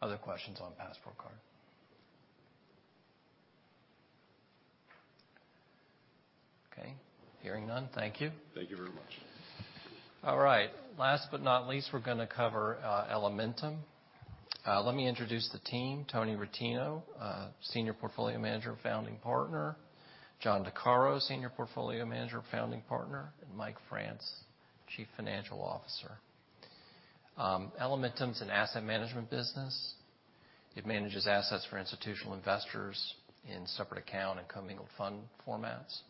Other questions on PassportCard? Okay, hearing none. Thank you. Thank you very much. All right, last but not least, we're gonna cover Elementum. Let me introduce the team, Tony Rettino, Senior Portfolio Manager and Founding Partner, John DeCaro, Senior Portfolio Manager and Founding Partner, and Mike France, Chief Financial Officer. Elementum's an asset management business. It manages assets for institutional investors in separate account and commingled fund formats.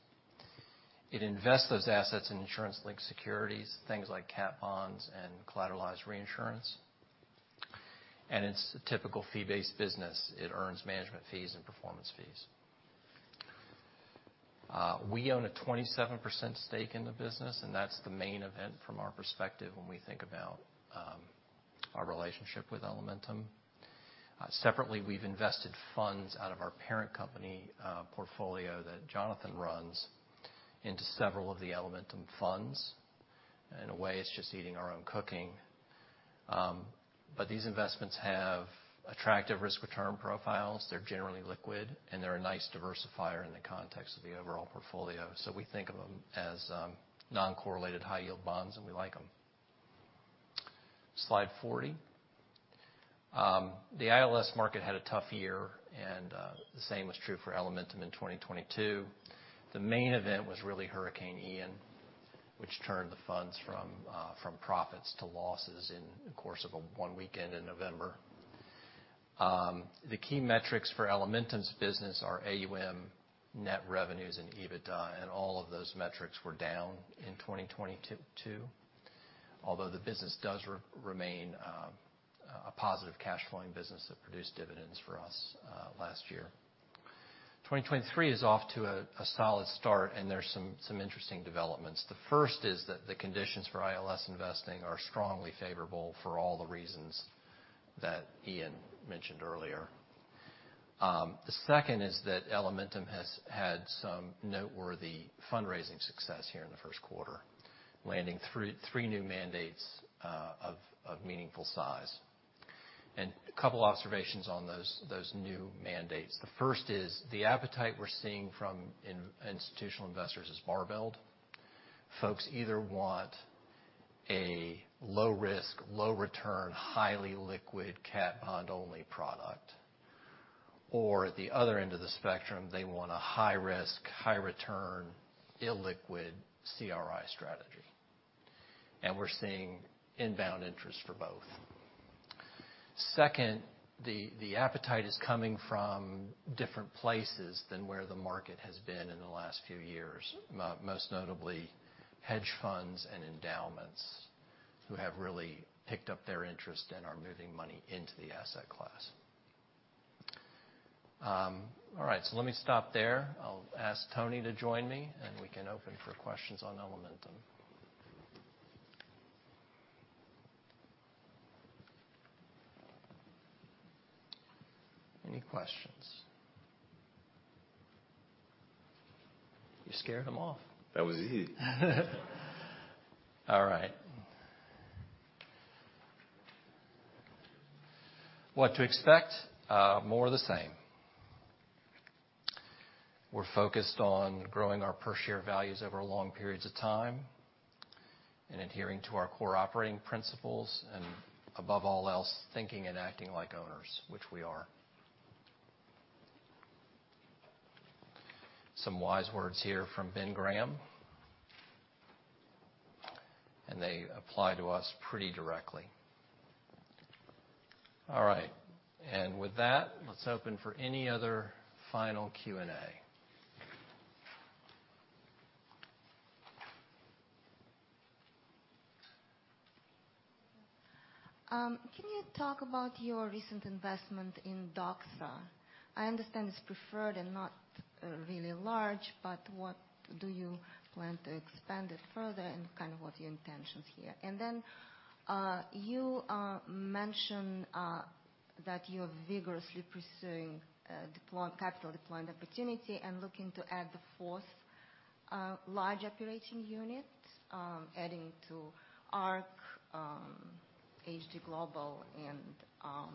It invests those assets in insurance-linked securities, things like cat bonds and collateralized reinsurance. It's a typical fee-based business. It earns management fees and performance fees. We own a 27% stake in the business, and that's the main event from our perspective when we think about our relationship with Elementum. Separately, we've invested funds out of our parent company portfolio that Jonathan runs, into several of the Elementum funds. In a way, it's just eating our own cooking. These investments have attractive risk-return profiles, they're generally liquid, and they're a nice diversifier in the context of the overall portfolio. We think of them as non-correlated, high-yield bonds, and we like them. Slide 40. The ILS market had a tough year, and the same was true for Elementum in 2022. The main event was really Hurricane Ian, which turned the funds from profits to losses in the course of a one weekend in November. The key metrics for Elementum's business are AUM, net revenues, and EBITDA, and all of those metrics were down in 2022, although the business does remain a positive cash flowing business that produced dividends for us last year. 2023 is off to a solid start, and there's some interesting developments. The first is that the conditions for ILS investing are strongly favorable for all the reasons that Ian mentioned earlier. The second is that Elementum has had some noteworthy fundraising success here in the first quarter, landing three new mandates of meaningful size. A couple observations on those new mandates. The first is, the appetite we're seeing from institutional investors is barbelled. Folks either want a low risk, low return, highly liquid, cat bond-only product, or at the other end of the spectrum, they want a high risk, high return, illiquid CRI strategy. We're seeing inbound interest for both. Second, the appetite is coming from different places than where the market has been in the last few years, most notably, hedge funds and endowments, who have really picked up their interest and are moving money into the asset class. All right, let me stop there. I'll ask Tony to join me, we can open for questions on Elementum. Any questions? You scared them off. That was easy. All right. What to expect? more of the same. We're focused on growing our per share values over long periods of time and adhering to our core operating principles, and above all else, thinking and acting like owners, which we are. Some wise words here from Benjamin Graham, and they apply to us pretty directly. All right, and with that, let's open for any other final Q&A. Can you talk about your recent investment in Doxa? I understand it's preferred and not really large, but what do you plan to expand it further and what are your intentions here? Then you mentioned that you are vigorously pursuing capital deployment opportunity and looking to add the fourth large operating unit, adding to Ark, HG Global, and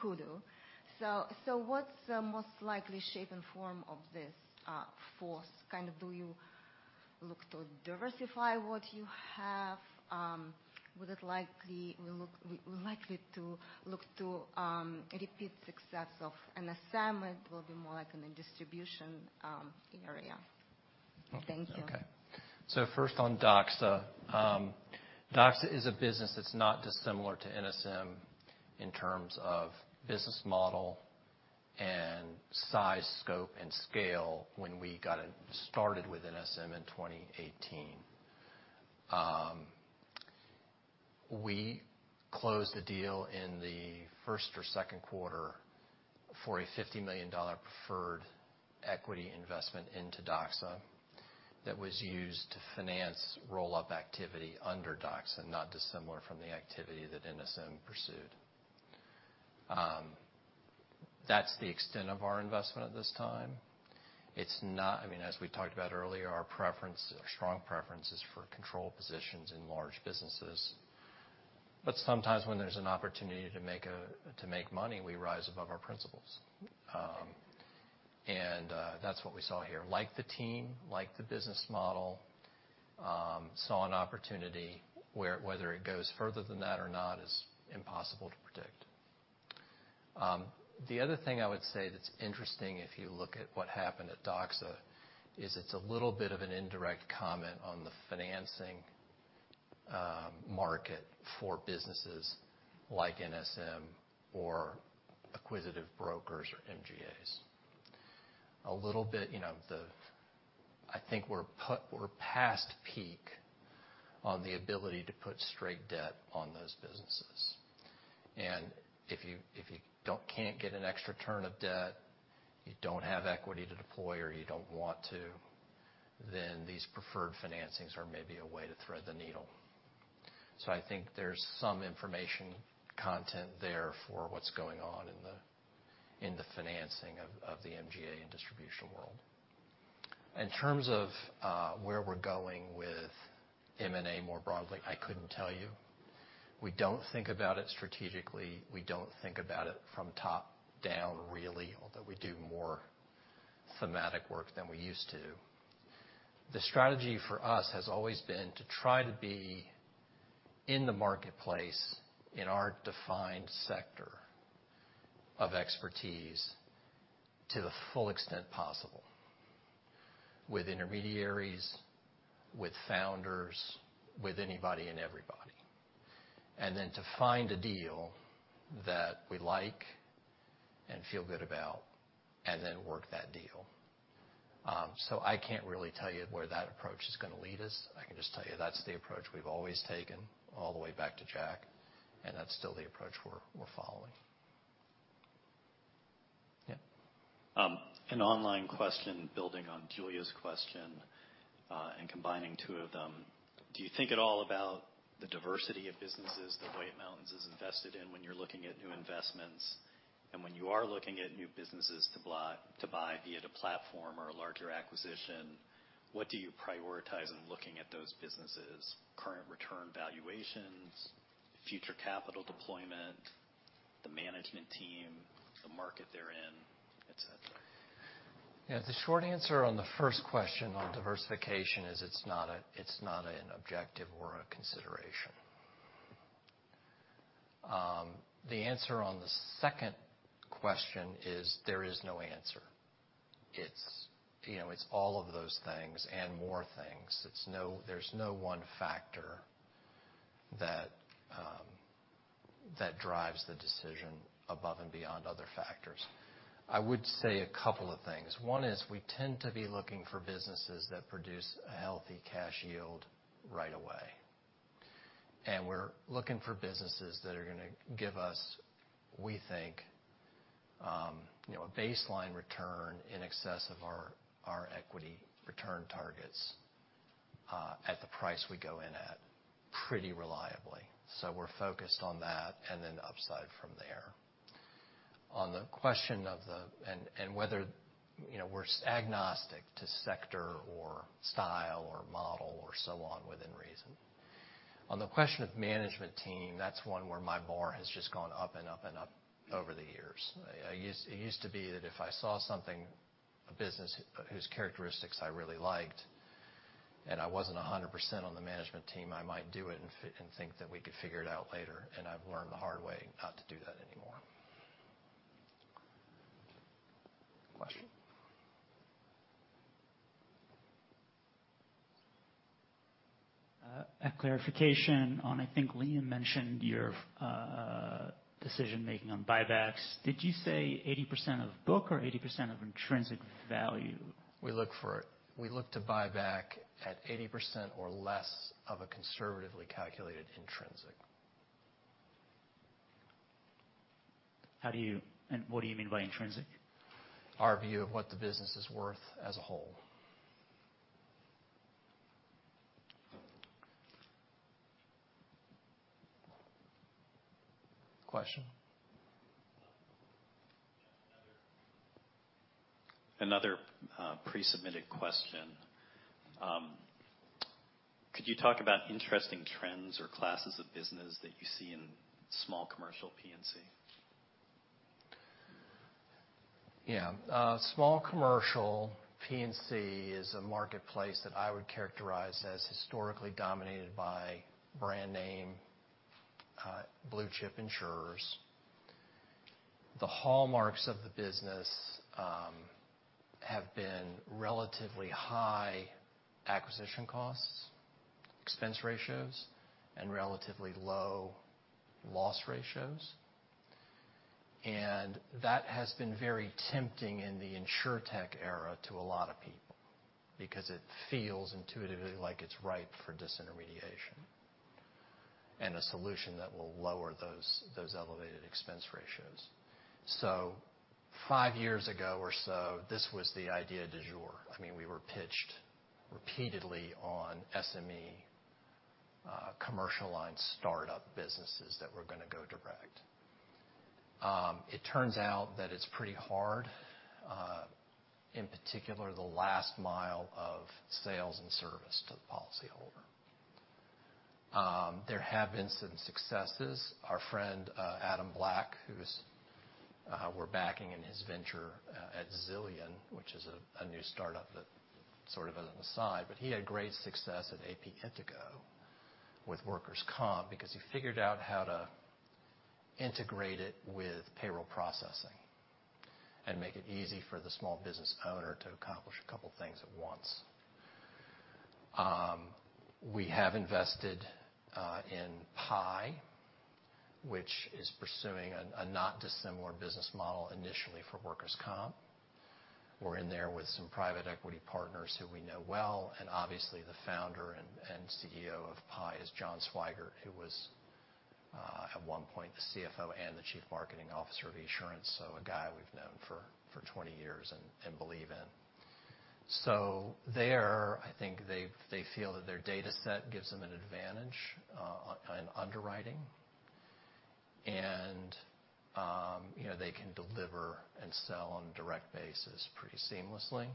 Kudu. What's the most likely shape and form of this fourth? Do you look to diversify what you have? Would it likely to look to a repeat success of NSM, it will be more like in the distribution area. Thank you. Okay. First on Doxa. Doxa is a business that's not dissimilar to NSM in terms of business model and size, scope, and scale when we got it started with NSM in 2018. We closed the deal in the first or second quarter for a $50 million preferred equity investment into Doxa that was used to finance roll-up activity under Doxa, not dissimilar from the activity that NSM pursued. That's the extent of our investment at this time. I mean, as we talked about earlier, our preference, our strong preference, is for control positions in large businesses. Sometimes when there's an opportunity to make money, we rise above our principles. That's what we saw here. Liked the team, liked the business model, saw an opportunity where whether it goes further than that or not is impossible to predict. The other thing I would say that's interesting if you look at what happened at Doxa, is it's a little bit of an indirect comment on the financing market for businesses like NSM or acquisitive brokers or MGAs. A little bit, you know, I think we're past peak on the ability to put straight debt on those businesses. If you, if you don't, can't get an extra turn of debt, you don't have equity to deploy, or you don't want to, then these preferred financings are maybe a way to thread the needle. I think there's some information content there for what's going on in the financing of the MGA and distributional world. In terms of where we're going with M&A, more broadly, I couldn't tell you. We don't think about it strategically. We don't think about it from top down, really, although we do more thematic work than we used to. The strategy for us has always been to try to be in the marketplace, in our defined sector of expertise, to the full extent possible, with intermediaries, with founders, with anybody and everybody, and then to find a deal that we like and feel good about, and then work that deal. I can't really tell you where that approach is gonna lead us. I can just tell you that's the approach we've always taken, all the way back to Jack Byrne, and that's still the approach we're following. Yeah. An online question, building on Julia's question, and combining two of them: Do you think at all about the diversity of businesses that White Mountains is invested in when you're looking at new investments? When you are looking at new businesses to buy, be it a platform or a larger acquisition, what do you prioritize in looking at those businesses? Current return valuations, future capital deployment, the management team, the market they're in, et cetera? Yeah, the short answer on the first question on diversification is it's not a, it's not an objective or a consideration. The answer on the second question is, there is no answer. It's, you know, it's all of those things and more things. There's no one factor that drives the decision above and beyond other factors. I would say a couple of things. One is we tend to be looking for businesses that produce a healthy cash yield right away. We're looking for businesses that are gonna give us, we think, you know, a baseline return in excess of our equity return targets at the price we go in at, pretty reliably. We're focused on that, and then upside from there. On the question of and whether, you know, we're agnostic to sector or style or model or so on, within reason. On the question of management team, that's one where my bar has just gone up and up and up over the years. It used to be that if I saw something, a business whose characteristics I really liked, and I wasn't 100% on the management team, I might do it and think that we could figure it out later, I've learned the hard way not to do that anymore. Question? A clarification on, I think Liam mentioned your decision-making on buybacks. Did you say 80% of book or 80% of intrinsic value? We look to buy back at 80% or less of a conservatively calculated intrinsic. What do you mean by intrinsic? Our view of what the business is worth as a whole. Question? Another pre-submitted question. Could you talk about interesting trends or classes of business that you see in small commercial P&C? Yeah. Small commercial P&C is a marketplace that I would characterize as historically dominated by brand name, blue chip insurers. The hallmarks of the business have been relatively high acquisition costs, expense ratios, and relatively low loss ratios. That has been very tempting in the insurtech era to a lot of people because it feels intuitively like it's ripe for disintermediation, and a solution that will lower those elevated expense ratios. Five years ago or so, this was the idea du jour. I mean, we were pitched repeatedly on SME, commercial line startup businesses that were gonna go direct. It turns out that it's pretty hard, in particular, the last mile of sales and service to the policyholder. There have been some successes. Our friend, Adam Black, who's we're backing in his venture at Zillion, which is a new startup that sort of as an aside, but he had great success at AP Intego with workers' comp because he figured out how to integrate it with payroll processing and make it easy for the small business owner to accomplish a couple of things at once. We have invested in Pie, which is pursuing a not dissimilar business model initially for workers' comp. We're in there with some private equity partners who we know well, and obviously, the founder and CEO of Pie is John Swigart, who was at one point, the CFO and the Chief Marketing Officer of Esurance, so a guy we've known for 20 years and believe in. There, I think they feel that their data set gives them an advantage on underwriting, and, you know, they can deliver and sell on a direct basis pretty seamlessly.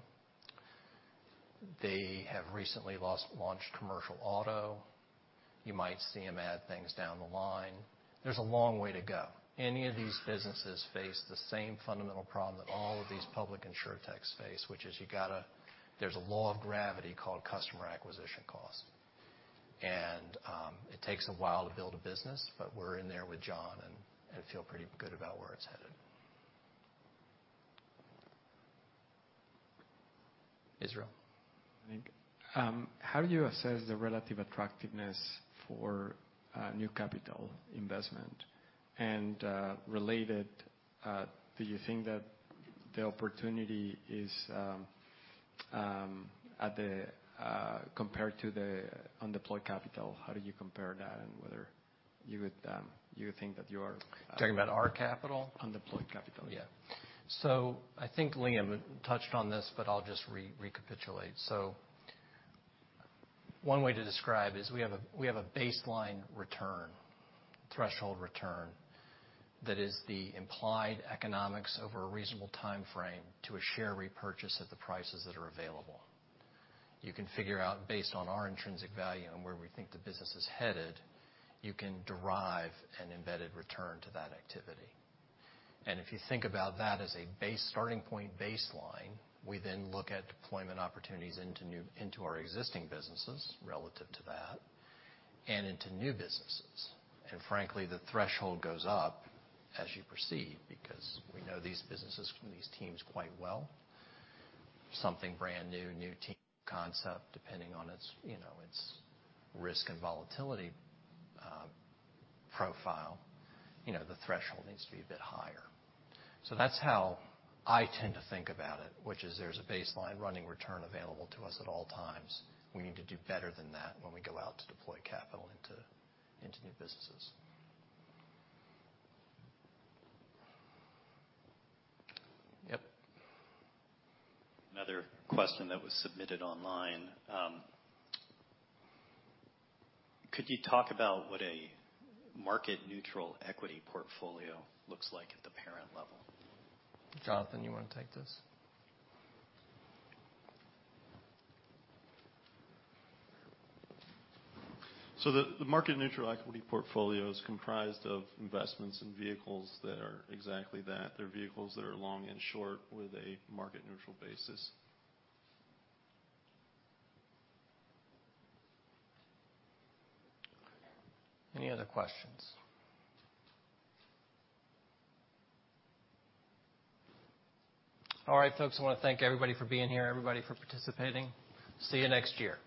They have recently launched commercial auto. You might see them add things down the line. There's a long way to go. Any of these businesses face the same fundamental problem that all of these public insurtechs face, which is there's a law of gravity called customer acquisition cost. It takes a while to build a business, but we're in there with John and feel pretty good about where it's headed. Israel? Thank you. How do you assess the relative attractiveness for new capital investment? Related, do you think that the opportunity is at the compared to the undeployed capital, how do you compare that? Whether you would, you think that? Talking about our capital? Undeployed capital. Yeah. I think Liam touched on this, but I'll just recapitulate. One way to describe is we have a baseline return, threshold return, that is the implied economics over a reasonable time frame to a share repurchase at the prices that are available. You can figure out, based on our intrinsic value and where we think the business is headed, you can derive an embedded return to that activity. If you think about that as a starting point baseline, we then look at deployment opportunities into our existing businesses relative to that and into new businesses. Frankly, the threshold goes up as you proceed because we know these businesses from these teams quite well. Something brand new team concept, depending on its, you know, its risk and volatility, profile, you know, the threshold needs to be a bit higher. That's how I tend to think about it, which is there's a baseline running return available to us at all times. We need to do better than that when we go out to deploy capital into new businesses. Yep. Another question that was submitted online, could you talk about what a market neutral equity portfolio looks like at the parent level? Jonathan, you want to take this? The market neutral equity portfolio is comprised of investments in vehicles that are exactly that. They're vehicles that are long and short with a market neutral basis. Any other questions? All right, folks, I want to thank everybody for being here, everybody for participating. See you next year.